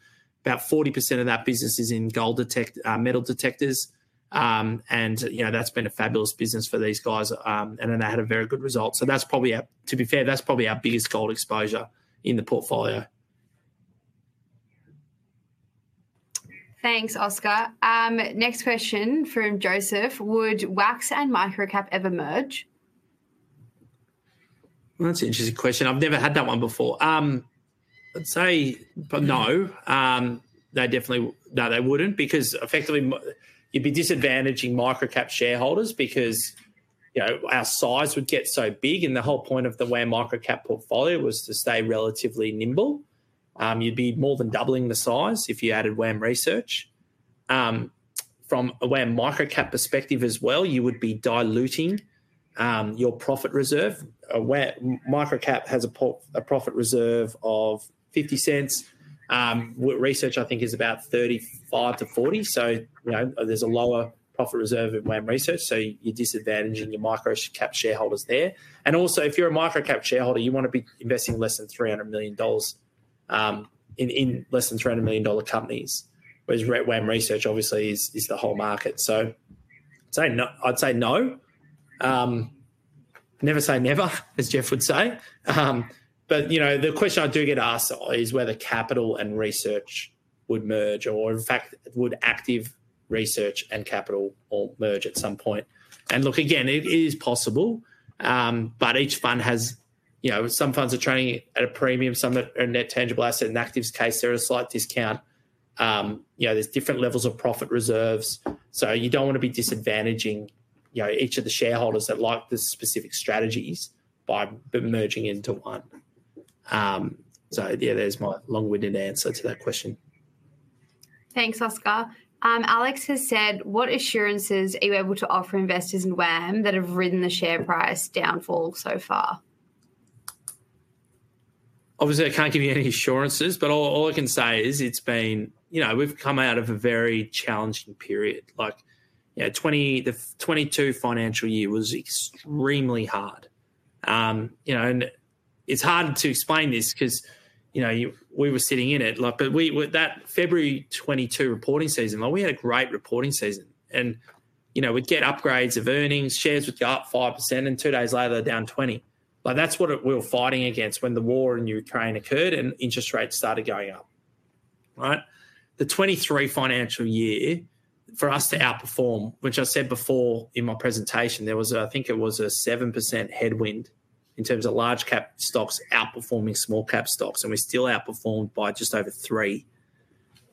S1: About 40% of that business is in gold metal detectors. And you know that's been a fabulous business for these guys. And then they had a very good result. So that's probably to be fair, that's probably our biggest gold exposure in the portfolio.
S3: Thanks, Oscar. Next question from Joseph. Would WAM and Microcap ever merge?
S1: That's an interesting question. I've never had that one before. I'd say no. They definitely no, they wouldn't because effectively, you'd be disadvantaging Microcap shareholders because you know our size would get so big. And the whole point of the WAM Microcap portfolio was to stay relatively nimble. You'd be more than doubling the size if you added WAM Research. From a WAM Microcap perspective as well, you would be diluting your profit reserve. Microcap has a profit reserve of 0.50. Research, I think, is about 35%-40%. So you know there's a lower profit reserve in WAM Research. So you're disadvantaging your Microcap shareholders there. And also, if you're a Microcap shareholder, you want to be investing less than 300 million dollars in less than 300 million dollar companies, whereas WAM Research, obviously, is the whole market. So I'd say no. Never say never, as Geoff would say. But you know the question I do get asked is whether Capital and Research would merge or, in fact, would Active Research and Capital merge at some point. And look, again, it is possible. But each fund has you know some funds are trading at a premium, some that are a net tangible asset. In Active's case, there are a slight discount. You know there's different levels of profit reserves. So you don't want to be disadvantaging you know each of the shareholders that like the specific strategies by merging into one. So yeah, there's my long-winded answer to that question.
S3: Thanks, Oscar. Alex has said, what assurances are you able to offer investors in WAM that have ridden the share price downfall so far?
S1: Obviously, I can't give you any assurances. But all I can say is it's been, you know, we've come out of a very challenging period. Like, you know, the 2022 financial year was extremely hard. You know, and it's hard to explain this because, you know, we were sitting in it. Like, but that February 2022 reporting season, like we had a great reporting season. And, you know, we'd get upgrades of earnings. Shares would go up 5%. And two days later, they're down 20%. Like, that's what we were fighting against when the war in Ukraine occurred and interest rates started going up. Right, the 2023 financial year, for us to outperform, which I said before in my presentation, there was a, I think it was a 7% headwind in terms of large-cap stocks outperforming small-cap stocks. And we still outperformed by just over 3%.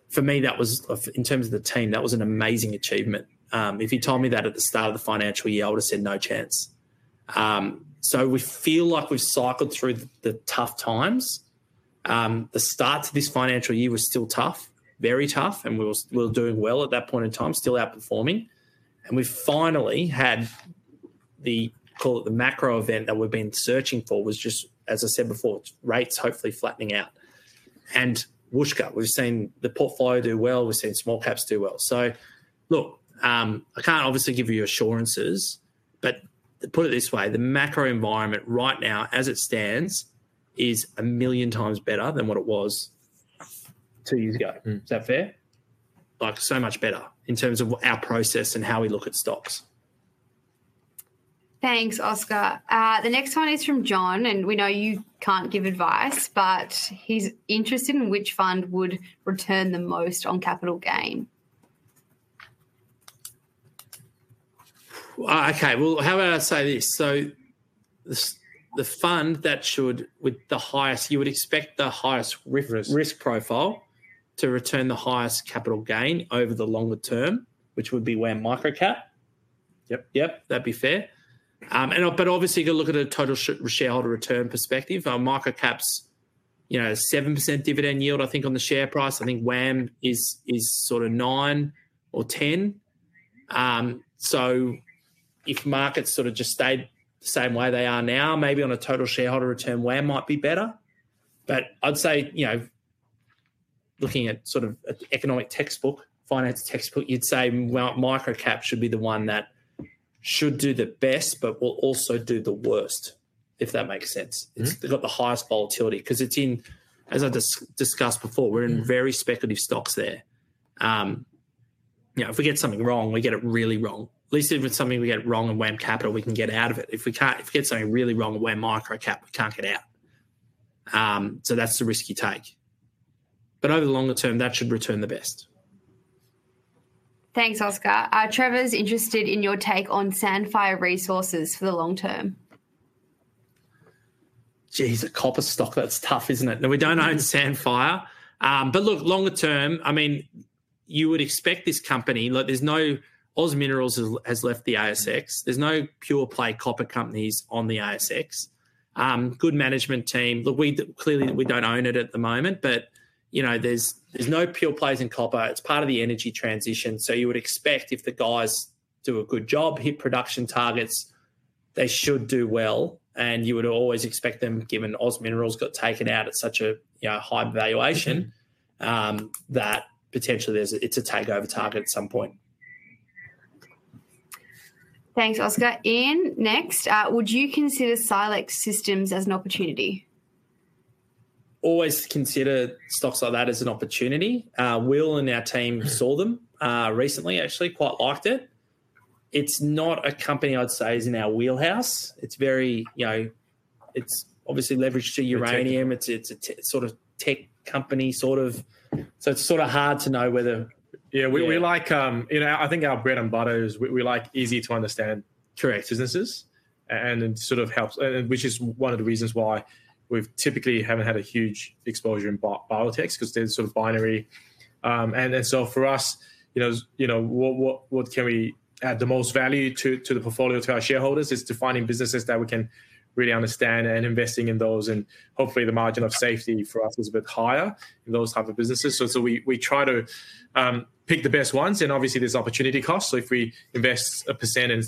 S1: For me, that was in terms of the team, that was an amazing achievement. If you told me that at the start of the financial year, I would have said no chance. So we feel like we've cycled through the tough times. The start to this financial year was still tough, very tough. And we were doing well at that point in time, still outperforming. And we finally had, call it, the macro event that we've been searching for was just, as I said before, rates hopefully flattening out. And whooshka. We've seen the portfolio do well. We've seen small-caps do well. So look, I can't obviously give you assurances. But put it this way, the macro environment right now, as it stands, is a million times better than what it was two years ago. Is that fair? Like so much better in terms of our process and how we look at stocks.
S3: Thanks, Oscar. The next one is from John. We know you can't give advice, but he's interested in which fund would return the most on capital gain.
S1: OK, well, how about I say this? So the fund that should with the highest you would expect the highest risk profile to return the highest capital gain over the longer term, which would be WAM Microcap. Yep, yep, that'd be fair. But obviously, you could look at a total shareholder return perspective. Microcap's 7% dividend yield, I think, on the share price. I think WAM is sort of 9% or 10%. So if markets sort of just stayed the same way they are now, maybe on a total shareholder return, WAM might be better. But I'd say you know looking at sort of an economic textbook, finance textbook, you'd say Microcap should be the one that should do the best but will also do the worst, if that makes sense. It's got the highest volatility because it's in, as I discussed before, we're in very speculative stocks there. You know if we get something wrong, we get it really wrong. At least if it's something we get wrong in WAM Capital, we can get out of it. If we get something really wrong in WAM Microcap, we can't get out. So that's a risky take. But over the longer term, that should return the best.
S3: Thanks, Oscar. Trevor's interested in your take on Sandfire Resources for the long term.
S1: Geez, a copper stock that's tough, isn't it? No, we don't own Sandfire. But look, longer term, I mean, you would expect this company like there's no Oz Minerals has left the ASX. There's no pure-play copper companies on the ASX. Good management team. Look, clearly, we don't own it at the moment. But you know there's no pure plays in copper. It's part of the energy transition. So you would expect if the guys do a good job, hit production targets, they should do well. And you would always expect them given Oz Minerals got taken out at such a high valuation that potentially, it's a takeover target at some point.
S3: Thanks, Oscar. Ian, next. Would you consider Silex Systems as an opportunity?
S1: Always consider stocks like that as an opportunity. Will and our team saw them recently, actually, quite liked it. It's not a company, I'd say, is in our wheelhouse. It's very you know it's obviously leveraged to uranium. It's a sort of tech company sort of. So it's sort of hard to know whether. Yeah, we like—you know—I think our bread and butter is we like easy-to-understand, correct businesses. It sort of helps, which is one of the reasons why we've typically haven't had a huge exposure in biotechs because they're sort of binary. So for us, you know, what can we add the most value to the portfolio, to our shareholders is to finding businesses that we can really understand and investing in those. Hopefully, the margin of safety for us is a bit higher in those type of businesses. We try to pick the best ones. Obviously, there's opportunity cost. If we invest 1% in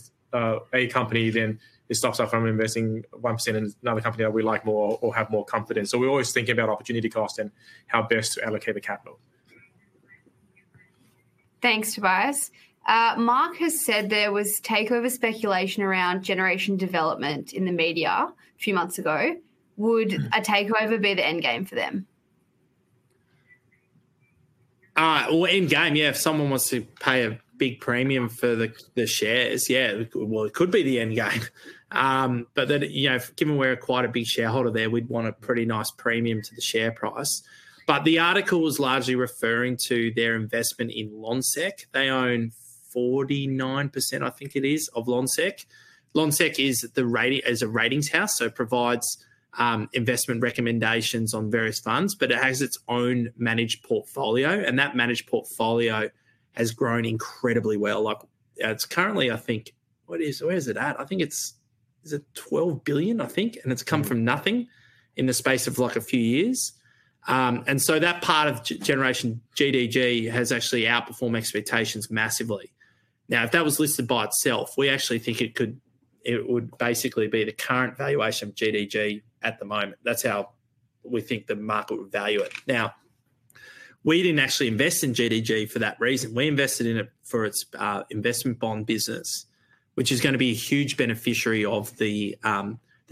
S1: a company, then it stops us from investing 1% in another company that we like more or have more confidence. We're always thinking about opportunity cost and how best to allocate the capital.
S3: Thanks, Tobias. Mark has said there was takeover speculation around Generation Development in the media a few months ago. Would a takeover be the end game for them?
S1: Well, end game, yeah, if someone wants to pay a big premium for the shares, yeah, well, it could be the end game. But then you know given we're quite a big shareholder there, we'd want a pretty nice premium to the share price. But the article was largely referring to their investment in Lonsec. They own 49%, I think it is, of Lonsec. Lonsec is a ratings house, so it provides investment recommendations on various funds. But it has its own managed portfolio. And that managed portfolio has grown incredibly well. Like it's currently, I think what is where is it at? I think it's is it 12 billion, I think? And it's come from nothing in the space of like a few years. And so that part of Generation GDG has actually outperformed expectations massively. Now, if that was listed by itself, we actually think it would basically be the current valuation of GDG at the moment. That's how we think the market would value it. Now, we didn't actually invest in GDG for that reason. We invested in it for its investment bond business, which is going to be a huge beneficiary of the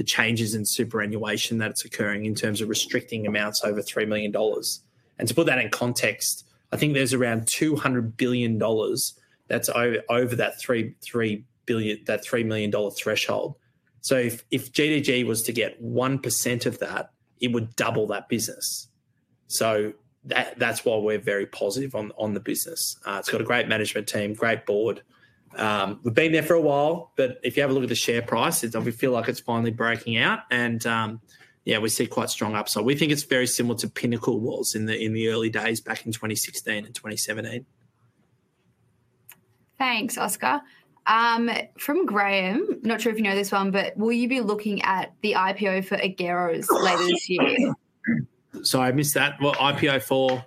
S1: changes in superannuation that it's occurring in terms of restricting amounts over 3 million dollars. And to put that in context, I think there's around 200 billion dollars that's over that 3 million dollar threshold. So if GDG was to get 1% of that, it would double that business. So that's why we're very positive on the business. It's got a great management team, great board. We've been there for a while. But if you have a look at the share price, it obviously feels like it's finally breaking out. Yeah, we see quite strong upside. We think it's very similar to Pinnacle was in the early days back in 2016 and 2017.
S3: Thanks, Oscar. From Graham, I'm not sure if you know this one, but will you be looking at the IPO for Aegros later this year?
S1: Sorry, I missed that. What, IPO for?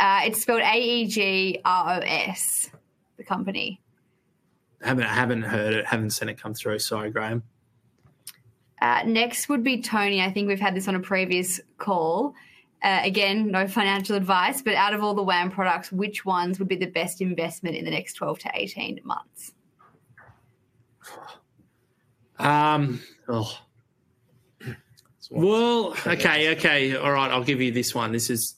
S3: It's spelled A-E-G-R-O-S, the company.
S1: I haven't heard it. Haven't seen it come through. Sorry, Graham.
S3: Next would be Tony. I think we've had this on a previous call. Again, no financial advice. But out of all the WAM products, which ones would be the best investment in the next 12-18 months?
S1: Well, OK, OK, all right, I'll give you this one. This is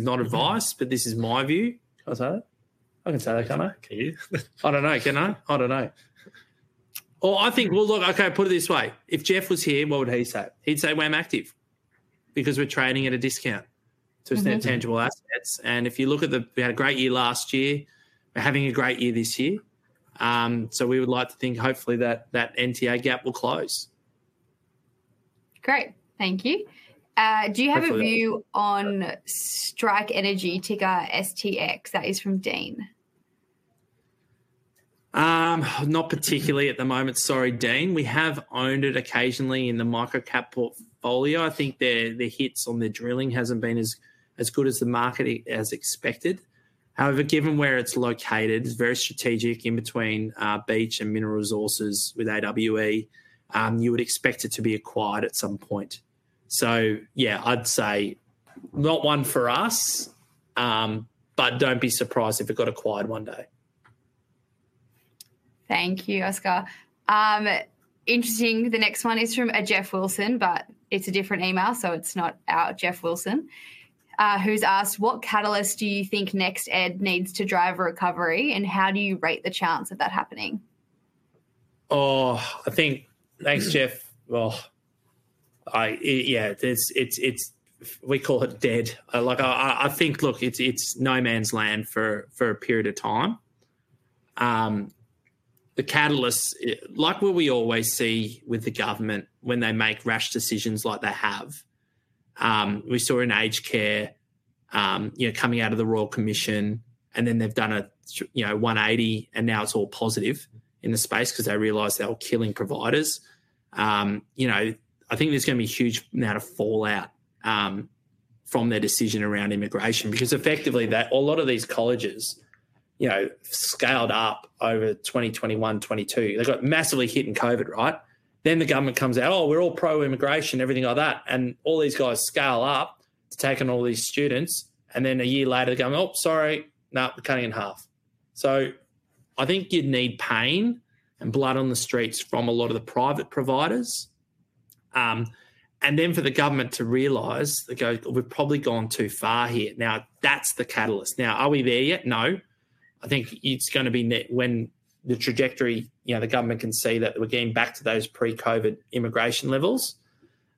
S1: not advice, but this is my view. Can I say that? I can say that, can I? Can you? I don't know. Can I? I don't know. Oh, I think, well, look, OK, put it this way. If Geoff was here, what would he say? He'd say WAM Active because we're trading at a discount to its net tangible assets. And if you look at, we had a great year last year. We're having a great year this year. So we would like to think, hopefully, that NTA gap will close.
S3: Great. Thank you. Do you have a view on Strike Energy ticker STX? That is from Dean.
S1: Not particularly at the moment. Sorry, Dean. We have owned it occasionally in the Microcap portfolio. I think their hits on their drilling hasn't been as good as the market has expected. However, given where it's located, it's very strategic in between Beach and Mineral Resources with AWE. You would expect it to be acquired at some point. So yeah, I'd say not one for us. But don't be surprised if it got acquired one day.
S3: Thank you, Oscar. Interesting. The next one is from Geoff Wilson. But it's a different email, so it's not our Geoff Wilson, who's asked, what catalyst do you think NextEd needs to drive recovery? And how do you rate the chance of that happening?
S1: Oh, I think thanks, Geoff. Well, yeah, it's what we call it dead. Like I think, look, it's no man's land for a period of time. The catalyst like what we always see with the government when they make rash decisions like they have. We saw an aged care you know coming out of the Royal Commission. And then they've done a 180. And now it's all positive in the space because they realize they're killing providers. You know I think there's going to be a huge amount of fallout from their decision around immigration because effectively, a lot of these colleges you know scaled up over 2021, 2022. They got massively hit in COVID, right? Then the government comes out, oh, we're all pro-immigration, everything like that. And all these guys scale up to take in all these students. And then a year later, they go, oh, sorry, no, we're cutting in half. So I think you'd need pain and blood on the streets from a lot of the private providers. And then for the government to realize that, go, we've probably gone too far here. Now, that's the catalyst. Now, are we there yet? No. I think it's going to be when the trajectory, you know, the government can see that we're getting back to those pre-COVID immigration levels.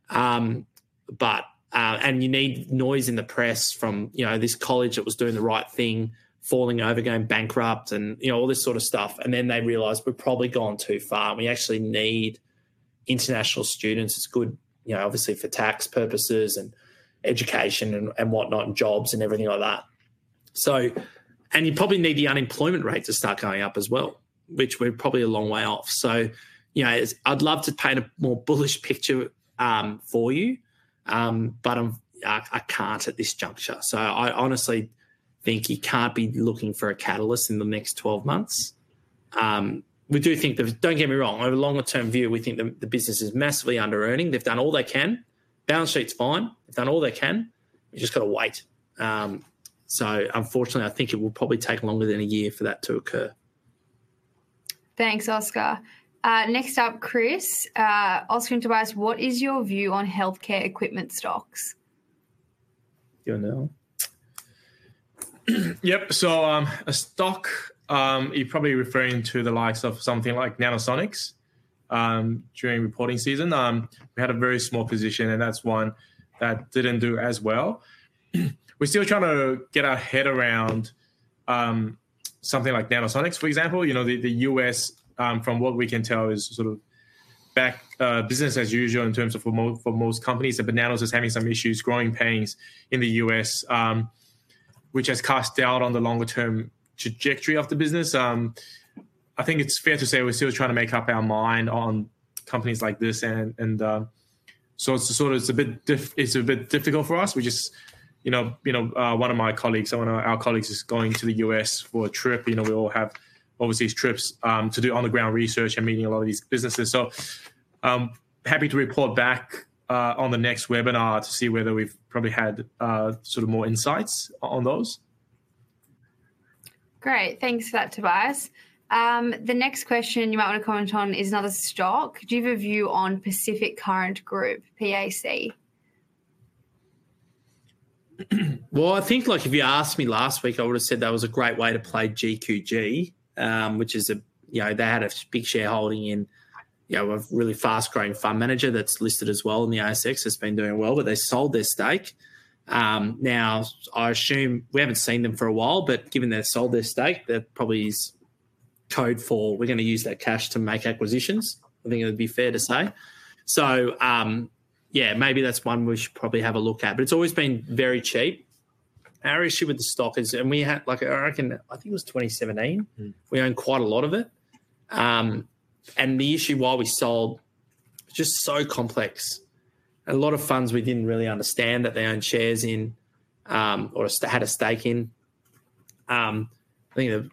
S1: But and you need noise in the press from, you know, this college that was doing the right thing falling over, going bankrupt, and you know all this sort of stuff. And then they realize we've probably gone too far. And we actually need international students. It's good, you know, obviously, for tax purposes and education and whatnot and jobs and everything like that. You probably need the unemployment rate to start going up as well, which we're probably a long way off. So you know I'd love to paint a more bullish picture for you. But I can't at this juncture. So I honestly think you can't be looking for a catalyst in the next 12 months. We do think that, don't get me wrong. Over the longer-term view, we think the business is massively under-earning. They've done all they can. Balance sheet's fine. They've done all they can. We've just got to wait. So unfortunately, I think it will probably take longer than a year for that to occur.
S3: Thanks, Oscar. Next up, Chris. Oscar and Tobias, what is your view on health care equipment stocks?
S1: Do you want to know? Yep, so a stock you're probably referring to the likes of something like Nanosonics during reporting season. We had a very small position. That's one that didn't do as well. We're still trying to get our head around something like Nanosonics, for example. You know the U.S., from what we can tell, is sort of back business as usual in terms of for most companies. But Nanosonics is having some issues, growing pains in the U.S., which has cast doubt on the longer-term trajectory of the business. I think it's fair to say we're still trying to make up our mind on companies like this. So it's sort of a bit difficult for us. We just you know one of my colleagues is going to the U.S. for a trip. You know, we all have obviously these trips to do on-the-ground research and meeting a lot of these businesses. So happy to report back on the next webinar to see whether we've probably had sort of more insights on those.
S3: Great. Thanks for that, Tobias. The next question you might want to comment on is another stock. Do you have a view on Pacific Current Group, PAC?
S1: Well, I think like if you asked me last week, I would have said that was a great way to play GQG, which is a you know they had a big shareholding in you know a really fast-growing fund manager that's listed as well in the ASX that's been doing well. But they sold their stake. Now, I assume we haven't seen them for a while. But given they sold their stake, that probably is code for we're going to use that cash to make acquisitions. I think it would be fair to say. So yeah, maybe that's one we should probably have a look at. But it's always been very cheap. Our issue with the stock is and we had like I think it was 2017. We owned quite a lot of it. And the issue while we sold it's just so complex. A lot of funds, we didn't really understand that they owned shares in or had a stake in. I think,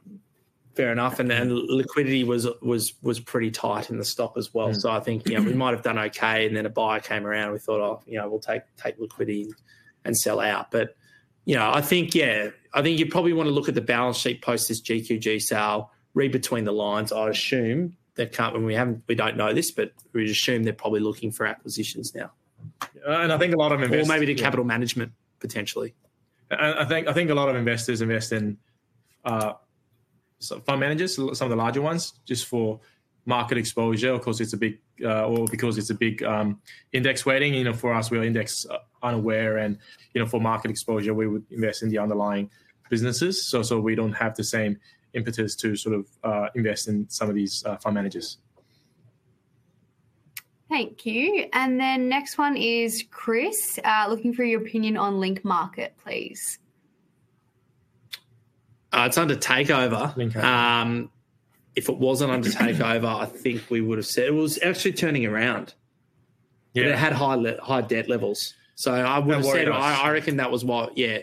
S1: fair enough. Liquidity was pretty tight in the stock as well. So I think, you know, we might have done OK. Then a buyer came around. We thought, oh, you know, we'll take liquidity and sell out. But you know, I think yeah, I think you probably want to look at the balance sheet post this GQG sale, read between the lines. I assume they can't when we haven't we don't know this. But we assume they're probably looking for acquisitions now. I think a lot of investors. Or maybe to capital management, potentially. I think a lot of investors invest in fund managers, some of the larger ones, just for market exposure. Of course, it's a big or because it's a big index weighting. You know for us, we're index unaware. And you know for market exposure, we would invest in the underlying businesses. So we don't have the same impetus to sort of invest in some of these fund managers.
S3: Thank you. And then next one is Chris looking for your opinion on Link Market Services, please.
S1: It's under takeover. If it wasn't under takeover, I think we would have said it was actually turning around. But it had high debt levels. So I would have said I reckon that was why yeah,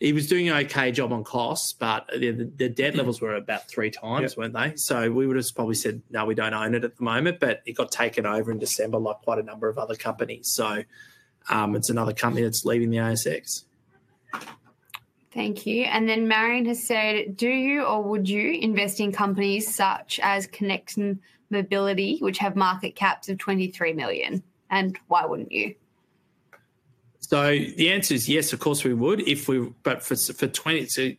S1: it was doing an OK job on costs. But the debt levels were about 3 times, weren't they? So we would have probably said, no, we don't own it at the moment. But it got taken over in December like quite a number of other companies. So it's another company that's leaving the ASX.
S3: Thank you. Then Marion has said, do you or would you invest in companies such as Connexion Mobility, which have market caps of 23 million? And why wouldn't you?
S1: So the answer is yes, of course, we would. But for to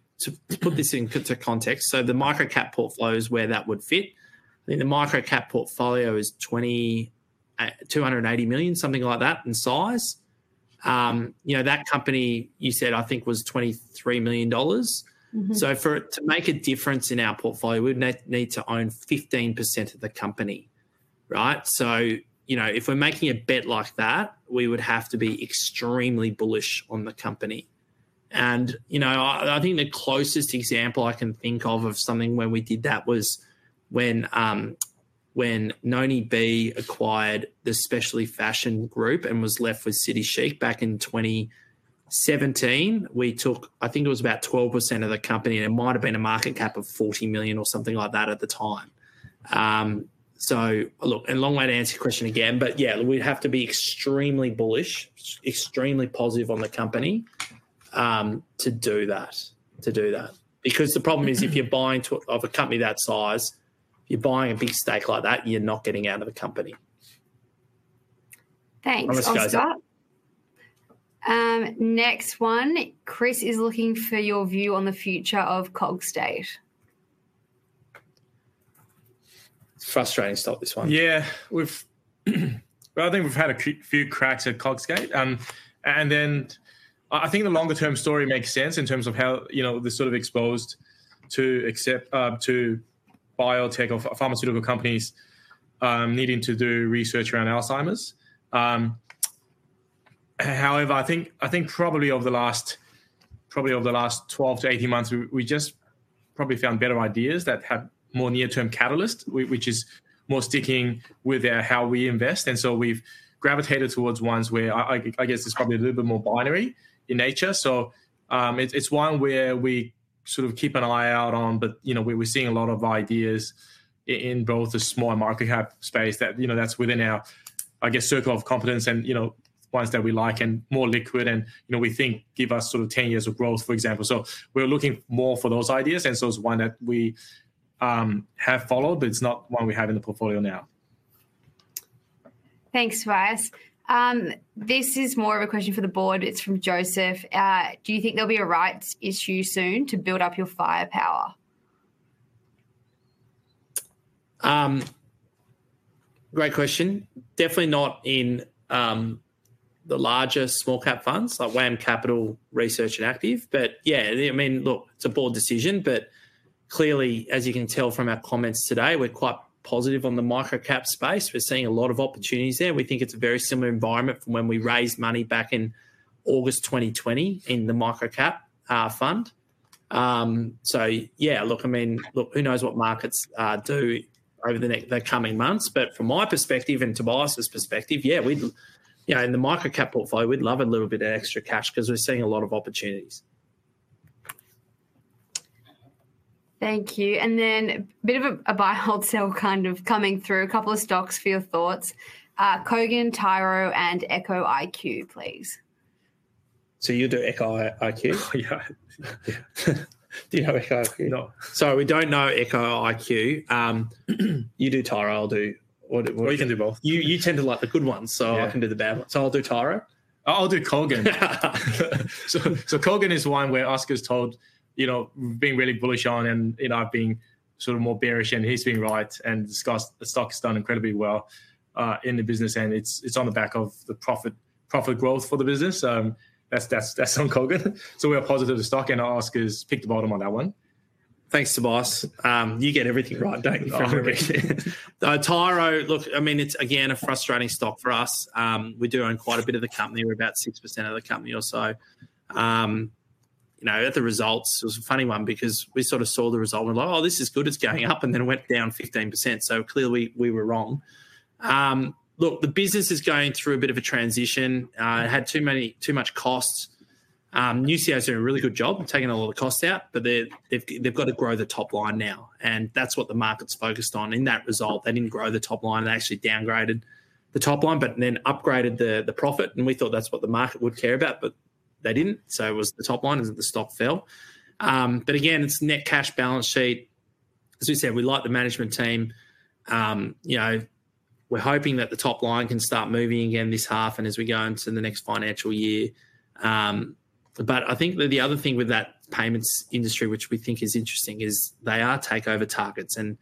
S1: put this into context, so the Microcap portfolio is where that would fit. I think the Microcap portfolio is 280 million, something like that in size. You know that company, you said, I think was 23 million dollars. So for it to make a difference in our portfolio, we would need to own 15% of the company, right? So you know if we're making a bet like that, we would have to be extremely bullish on the company. And you know I think the closest example I can think of of something when we did that was when Noni B acquired the Specialty Fashion Group and was left with City Chic back in 2017. We took I think it was about 12% of the company. It might have been a market cap of 40 million or something like that at the time. So look, a long way to answer your question again. But yeah, we'd have to be extremely bullish, extremely positive on the company to do that to do that. Because the problem is if you're buying of a company that size, if you're buying a big stake like that, you're not getting out of the company.
S3: Thanks. All right, guys. Next one, Chris is looking for your view on the future of Cogstate.
S1: It's a frustrating stop, this one. Yeah, I think we've had a few cracks at Cogstate. And then I think the longer-term story makes sense in terms of how you know they're sort of exposed to biotech or pharmaceutical companies needing to do research around Alzheimer's. However, I think probably over the last 12-18 months, we just probably found better ideas that have more near-term catalyst, which is more sticking with how we invest. And so we've gravitated towards ones where I guess it's probably a little bit more binary in nature. So it's one where we sort of keep an eye out on. But you know we're seeing a lot of ideas in both the smaller market cap space that you know that's within our, I guess, circle of competence and you know ones that we like and more liquid. You know we think give us sort of 10 years of growth, for example. We're looking more for those ideas. And so it's one that we have followed. But it's not one we have in the portfolio now.
S3: Thanks, Tobias. This is more of a question for the board. It's from Joseph. Do you think there'll be a rights issue soon to build up your firepower?
S1: Great question. Definitely not in the larger small-cap funds like WAM Capital, Research, and Active. But yeah, I mean, look, it's a board decision. But clearly, as you can tell from our comments today, we're quite positive on the microcap space. We're seeing a lot of opportunities there. We think it's a very similar environment from when we raised money back in August 2020 in the microcap fund. So yeah, look, I mean, look, who knows what markets do over the coming months? But from my perspective and Tobias's perspective, yeah, we'd you know in the microcap portfolio, we'd love a little bit of extra cash because we're seeing a lot of opportunities.
S3: Thank you. And then a bit of a buy-hold-sell kind of coming through a couple of stocks for your thoughts. Codan, Tyro, and Echo IQ, please.
S1: So you do Echo IQ? Yeah. Do you know Echo IQ? No, sorry, we don't know Echo IQ. You do Tyro. I'll do. Well, you can do both. You tend to like the good ones. So I can do the bad ones. So I'll do Tyro. I'll do Codan.
S2: Codan is one where Oscar's told you know being really bullish on and you know being sort of more bearish. He's been right. This guy's stock has done incredibly well in the business. It's on the back of the profit growth for the business. That's on Codan. We are positive to stock. Oscar's picked the bottom on that one.
S1: Thanks, Tobias. You get everything right, don't you? Tyro, look, I mean, it's, again, a frustrating stock for us. We do own quite a bit of the company. We're about 6% of the company or so. You know at the results, it was a funny one because we sort of saw the result. We're like, oh, this is good. It's going up. And then it went down 15%. So clearly, we were wrong. Look, the business is going through a bit of a transition. It had too much costs. UCS did a really good job taking a lot of costs out. But they've got to grow the top line now. And that's what the market's focused on in that result. They didn't grow the top line. It actually downgraded the top line but then upgraded the profit. And we thought that's what the market would care about. But they didn't. So it was the top line as the stock fell. But again, it's net cash balance sheet. As we said, we like the management team. You know we're hoping that the top line can start moving again this half and as we go into the next financial year. But I think that the other thing with that payments industry, which we think is interesting, is they are takeover targets. And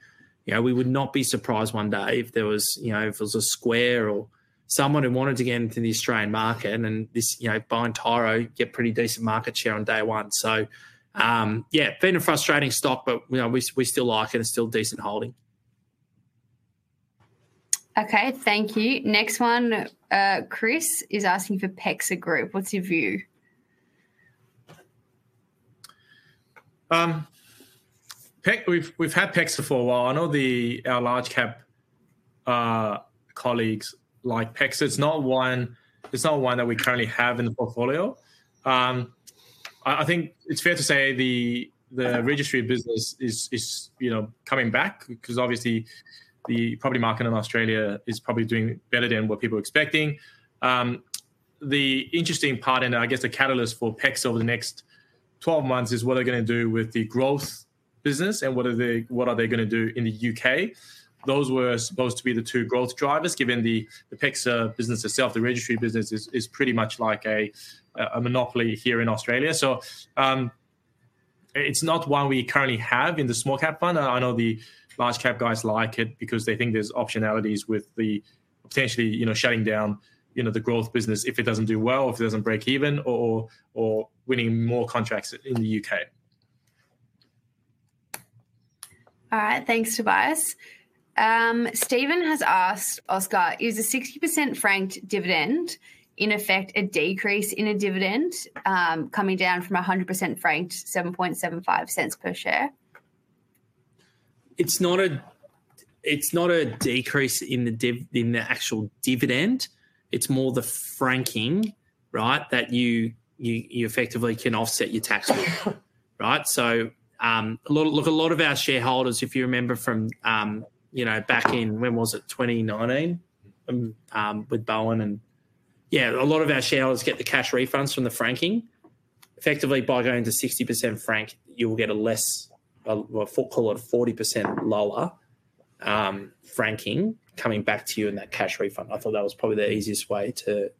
S1: you know we would not be surprised one day if there was you know if it was a Square or someone who wanted to get into the Australian market. And this you know buying Tyro get pretty decent market share on day one. So yeah, been a frustrating stock. But you know we still like it. It's still decent holding.
S3: OK, thank you. Next one, Chris is asking for PEXA Group. What's your view?
S1: We've had PEXA for a while. I know our large-cap colleagues like PEXA. It's not one that we currently have in the portfolio. I think it's fair to say the registry business is coming back because obviously, the property market in Australia is probably doing better than what people are expecting. The interesting part and I guess the catalyst for PEXA over the next 12 months is what they're going to do with the growth business and what are they going to do in the UK. Those were supposed to be the two growth drivers given the PEXA business itself. The registry business is pretty much like a monopoly here in Australia. So it's not one we currently have in the small-cap fund. I know the large-cap guys like it because they think there's optionalities with the potentially shutting down the growth business if it doesn't do well, if it doesn't break even, or winning more contracts in the UK.
S3: All right, thanks, Tobias. Stephen has asked Oscar, is a 60% franked dividend in effect a decrease in a dividend coming down from 100% franked 0.75 per share?
S1: It's not a decrease in the actual dividend. It's more the franking, right, that you effectively can offset your tax with, right? So look, a lot of our shareholders, if you remember from back in when was it, 2019 with Bowen and yeah, a lot of our shareholders get the cash refunds from the franking. Effectively, by going to 60% frank, you will get a less what we call it a 40% lower franking coming back to you in that cash refund. I thought that was probably the easiest way to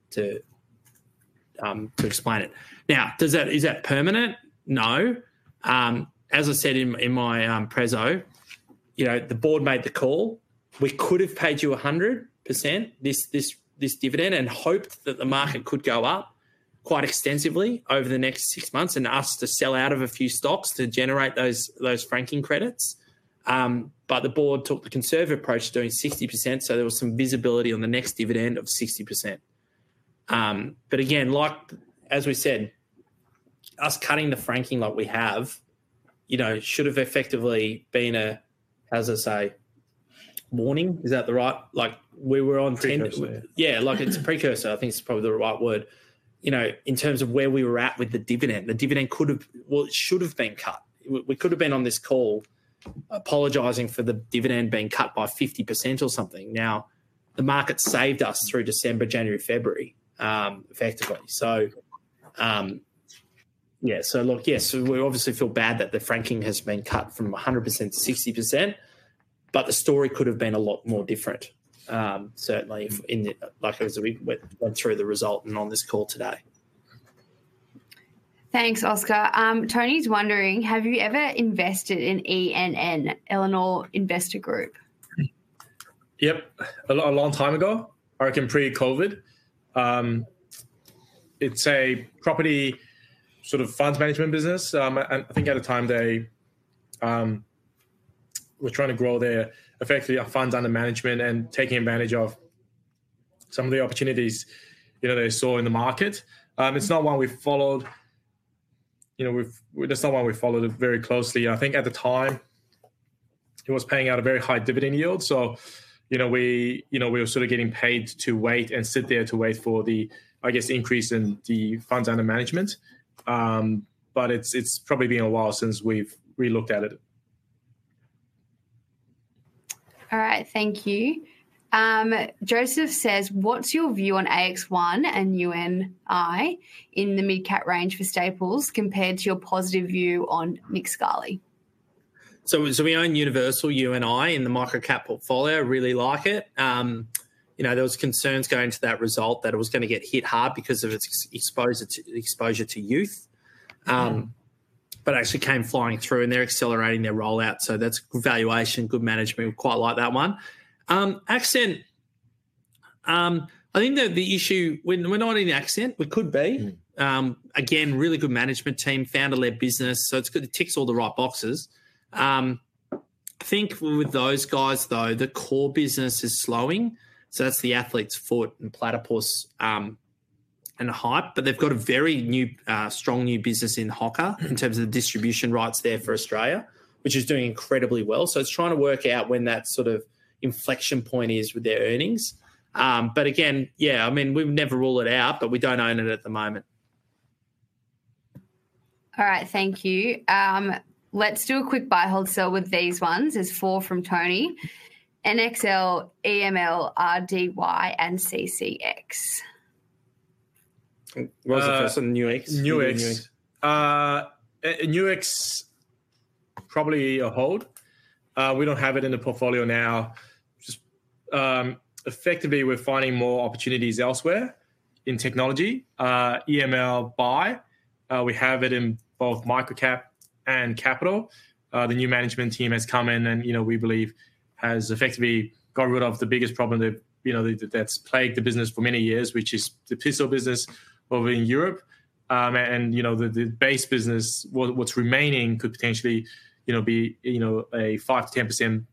S1: explain it. Now, is that permanent? No. As I said in my prezo, you know the board made the call. We could have paid you 100% this dividend and hoped that the market could go up quite extensively over the next six months and asked to sell out of a few stocks to generate those franking credits. But the board took the conservative approach to doing 60%. So there was some visibility on the next dividend of 60%. But again, like as we said, us cutting the franking like we have you know should have effectively been a, how does it say, warning? Is that the right like we were on. Precursor. Yeah, like it's a precursor. I think it's probably the right word you know in terms of where we were at with the dividend. The dividend could have well, it should have been cut. We could have been on this call apologizing for the dividend being cut by 50% or something. Now, the market saved us through December, January, February, effectively. So yeah, so look, yes, we obviously feel bad that the franking has been cut from 100%-60%. But the story could have been a lot more different, certainly, like as we went through the result and on this call today.
S3: Thanks, Oscar. Tony's wondering, have you ever invested in ENN, Elanor Investors Group?
S1: Yep, a long time ago, I reckon, pre-COVID. It's a property sort of funds management business. And I think at a time, they were trying to grow their effectively funds under management and taking advantage of some of the opportunities you know they saw in the market. It's not one we followed you know that's not one we followed very closely. I think at the time, it was paying out a very high dividend yield. So you know we were sort of getting paid to wait and sit there to wait for the, I guess, increase in the funds under management. But it's probably been a while since we've relooked at it.
S3: All right, thank you. Joseph says, what's your view on AX1 and UNI in the mid-cap range for Staples compared to your positive view on Nick Scali?
S1: So we own Universal, UNI in the microcap portfolio. Really like it. You know there was concerns going into that result that it was going to get hit hard because of its exposure to youth but actually came flying through. And they're accelerating their rollout. So that's valuation, good management. We quite like that one. Accent, I think that the issue we're not in Accent. We could be. Again, really good management team founded their business. So it's good. It ticks all the right boxes. I think with those guys, though, the core business is slowing. So that's the Athlete's Foot and Platypus and Hype. But they've got a very strong new business in Hoka in terms of the distribution rights there for Australia, which is doing incredibly well. So it's trying to work out when that sort of inflection point is with their earnings. But again, yeah, I mean, we never rule it out. But we don't own it at the moment.
S3: All right, thank you. Let's do a quick buy-hold sell with these ones. There's four from Tony: NXL, EML, RDY, and CCX.
S1: What was the first one? Nuix? New X. Nuix, probably a hold. We don't have it in the portfolio now. Effectively, we're finding more opportunities elsewhere in technology. EML buy. We have it in both microcap and capital. The new management team has come in. You know we believe has effectively got rid of the biggest problem that's plagued the business for many years, which is the pistol business over in Europe. You know the base business, what's remaining could potentially be a 5%-10%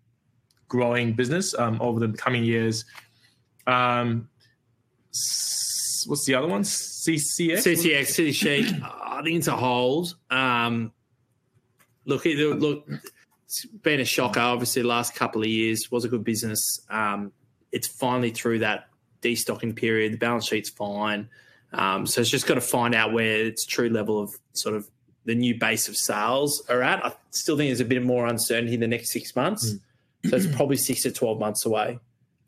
S1: growing business over the coming years. What's the other one? CCX? CCX, CCX, I think it's a hold. Look, it's been a shocker, obviously, the last couple of years. Was a good business. It's finally through that destocking period. The balance sheet's fine. So it's just got to find out where its true level of sort of the new base of sales are at. I still think there's a bit more uncertainty in the next six months. So it's probably 6-12 months away.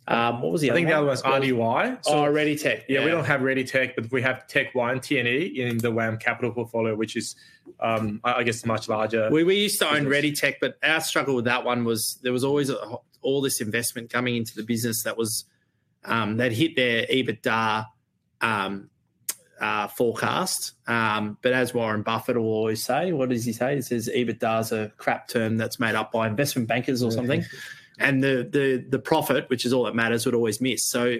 S1: What was the other one? I think the other one's RDY. Oh, ReadyTech. Yeah, we don't have ReadyTech. But we have TechnologyOne and TNE in the WAM Capital portfolio, which is, I guess, much larger. We used to own ReadyTech. But our struggle with that one was there was always all this investment coming into the business that hit their EBITDA forecast. But as Warren Buffett will always say, what does he say? He says, EBITDA is a crap term that's made up by investment bankers or something. And the profit, which is all that matters, would always miss. So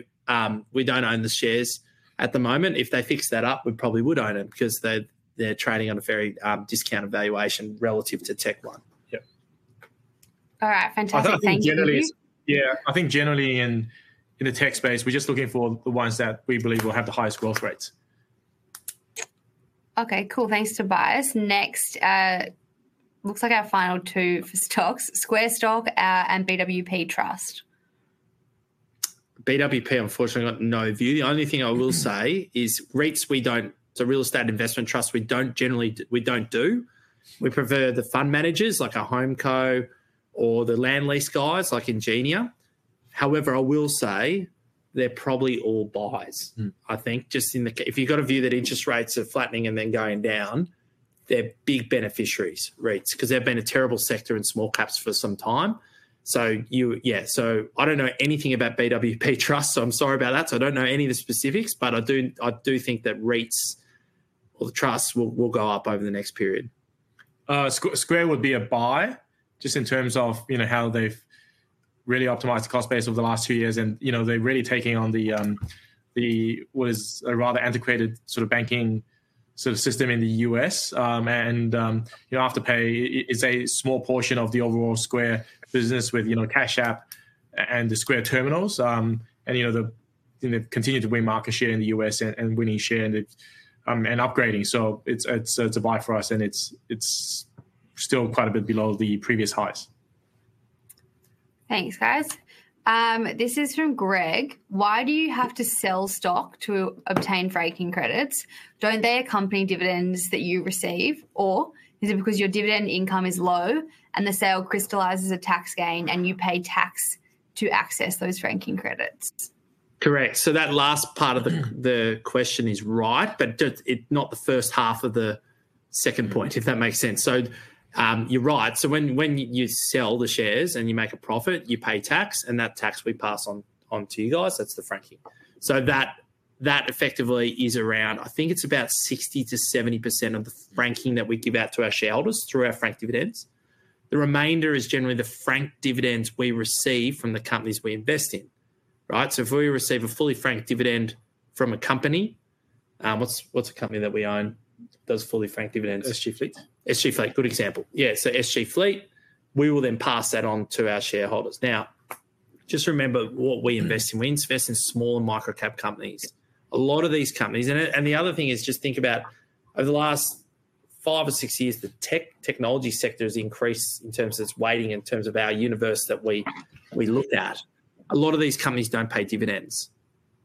S1: we don't own the shares at the moment. If they fix that up, we probably would own them because they're trading on a very discounted valuation relative to TechnologyOne. Yep.
S3: All right, fantastic. Thank you.
S1: Yeah, I think generally in the tech space, we're just looking for the ones that we believe will have the highest growth rates.
S3: OK, cool. Thanks, Tobias. Next, looks like our final two for stocks: Square Stock and BWP Trust.
S1: BWP, unfortunately, I've got no view. The only thing I will say is REITs, we don't so real estate investment trusts, we don't generally we don't do. We prefer the fund managers like a HomeCo or the land lease guys like Ingenia. However, I will say they're probably all buys, I think, just in the if you've got a view that interest rates are flattening and then going down, they're big beneficiaries, REITs, because they've been a terrible sector in small caps for some time. So yeah, so I don't know anything about BWP Trust. So I'm sorry about that. So I don't know any of the specifics. But I do think that REITs or the trusts will go up over the next period. Square would be a buy just in terms of how they've really optimized the cost base over the last two years. They're really taking on what is a rather antiquated sort of banking sort of system in the U.S. You know Afterpay is a small portion of the overall Square business with Cash App and the Square Terminals. They've continued to win market share in the U.S. and winning share and upgrading. So it's a buy for us. It's still quite a bit below the previous highs.
S3: Thanks, guys. This is from Greg. Why do you have to sell stock to obtain franking credits? Don't they accompany dividends that you receive? Or is it because your dividend income is low and the sale crystallizes a tax gain and you pay tax to access those franking credits?
S1: Correct. So that last part of the question is right. But not the first half of the second point, if that makes sense. So you're right. So when you sell the shares and you make a profit, you pay tax. And that tax we pass on to you guys. That's the franking. So that effectively is around, I think it's about 60%-70% of the franking that we give out to our shareholders through our frank dividends. The remainder is generally the frank dividends we receive from the companies we invest in, right? So if we receive a fully frank dividend from a company, what's a company that we own that does fully frank dividends? SG Fleet. SG Fleet, good example. Yeah, so SG Fleet, we will then pass that on to our shareholders. Now, just remember what we invest in. We invest in small and microcap companies. A lot of these companies and the other thing is just think about over the last five or six years, the tech technology sector has increased in terms of its weighting in terms of our universe that we look at. A lot of these companies don't pay dividends,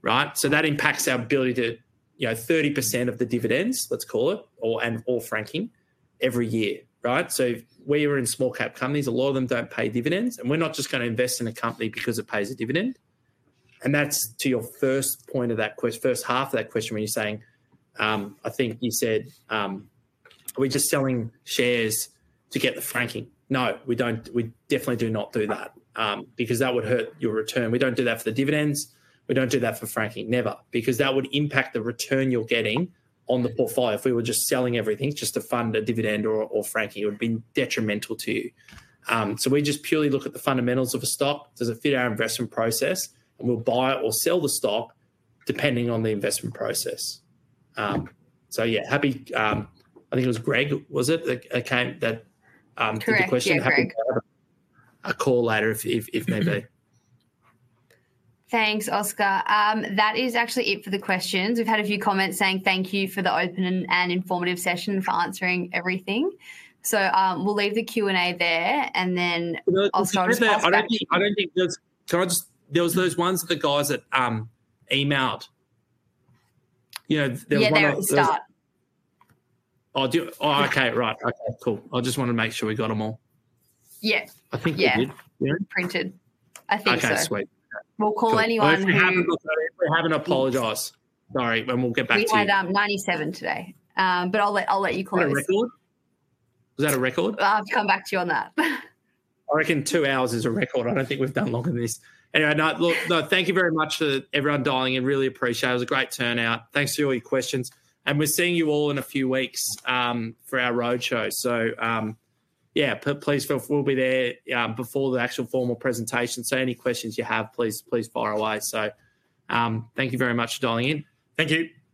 S1: right? So that impacts our ability to 30% of the dividends, let's call it, and all franking every year, right? So where you're in small-cap companies, a lot of them don't pay dividends. And we're not just going to invest in a company because it pays a dividend. And that's to your first point of that question, first half of that question when you're saying I think you said, are we just selling shares to get the franking? No, we definitely do not do that because that would hurt your return. We don't do that for the dividends. We don't do that for franking, never, because that would impact the return you're getting on the portfolio. If we were just selling everything just to fund a dividend or franking, it would have been detrimental to you. So we just purely look at the fundamentals of a stock. Does it fit our investment process? And we'll buy or sell the stock depending on the investment process. So yeah, happy I think it was Greg, was it, that came that question?
S3: Correct.
S1: Happy to have a call later if maybe.
S3: Thanks, Oscar. That is actually it for the questions. We've had a few comments saying, thank you for the open and informative session for answering everything. So we'll leave the Q&A there. And then I'll start.
S1: Can I just there was those ones of the guys that emailed, you know.
S3: Yeah, they start.
S1: Oh, OK, right. OK, cool. I just wanted to make sure we got them all.
S3: Yeah.
S1: I think we did.
S3: Yeah, printed. I think so.
S1: OK, sweet.
S3: We'll call anyone who.
S1: If we haven't apologized. Sorry. We'll get back to you.
S3: We had 97 today. But I'll let you call us.
S1: Is that a record? Is that a record?
S3: I've come back to you on that.
S1: I reckon two hours is a record. I don't think we've done longer than this. Anyway, no, thank you very much for everyone dialing. I really appreciate it. It was a great turnout. Thanks to all your questions. And we're seeing you all in a few weeks for our roadshow. So yeah, please feel we'll be there before the actual formal presentation. So any questions you have, please fire away. So thank you very much for dialing in. Thank you.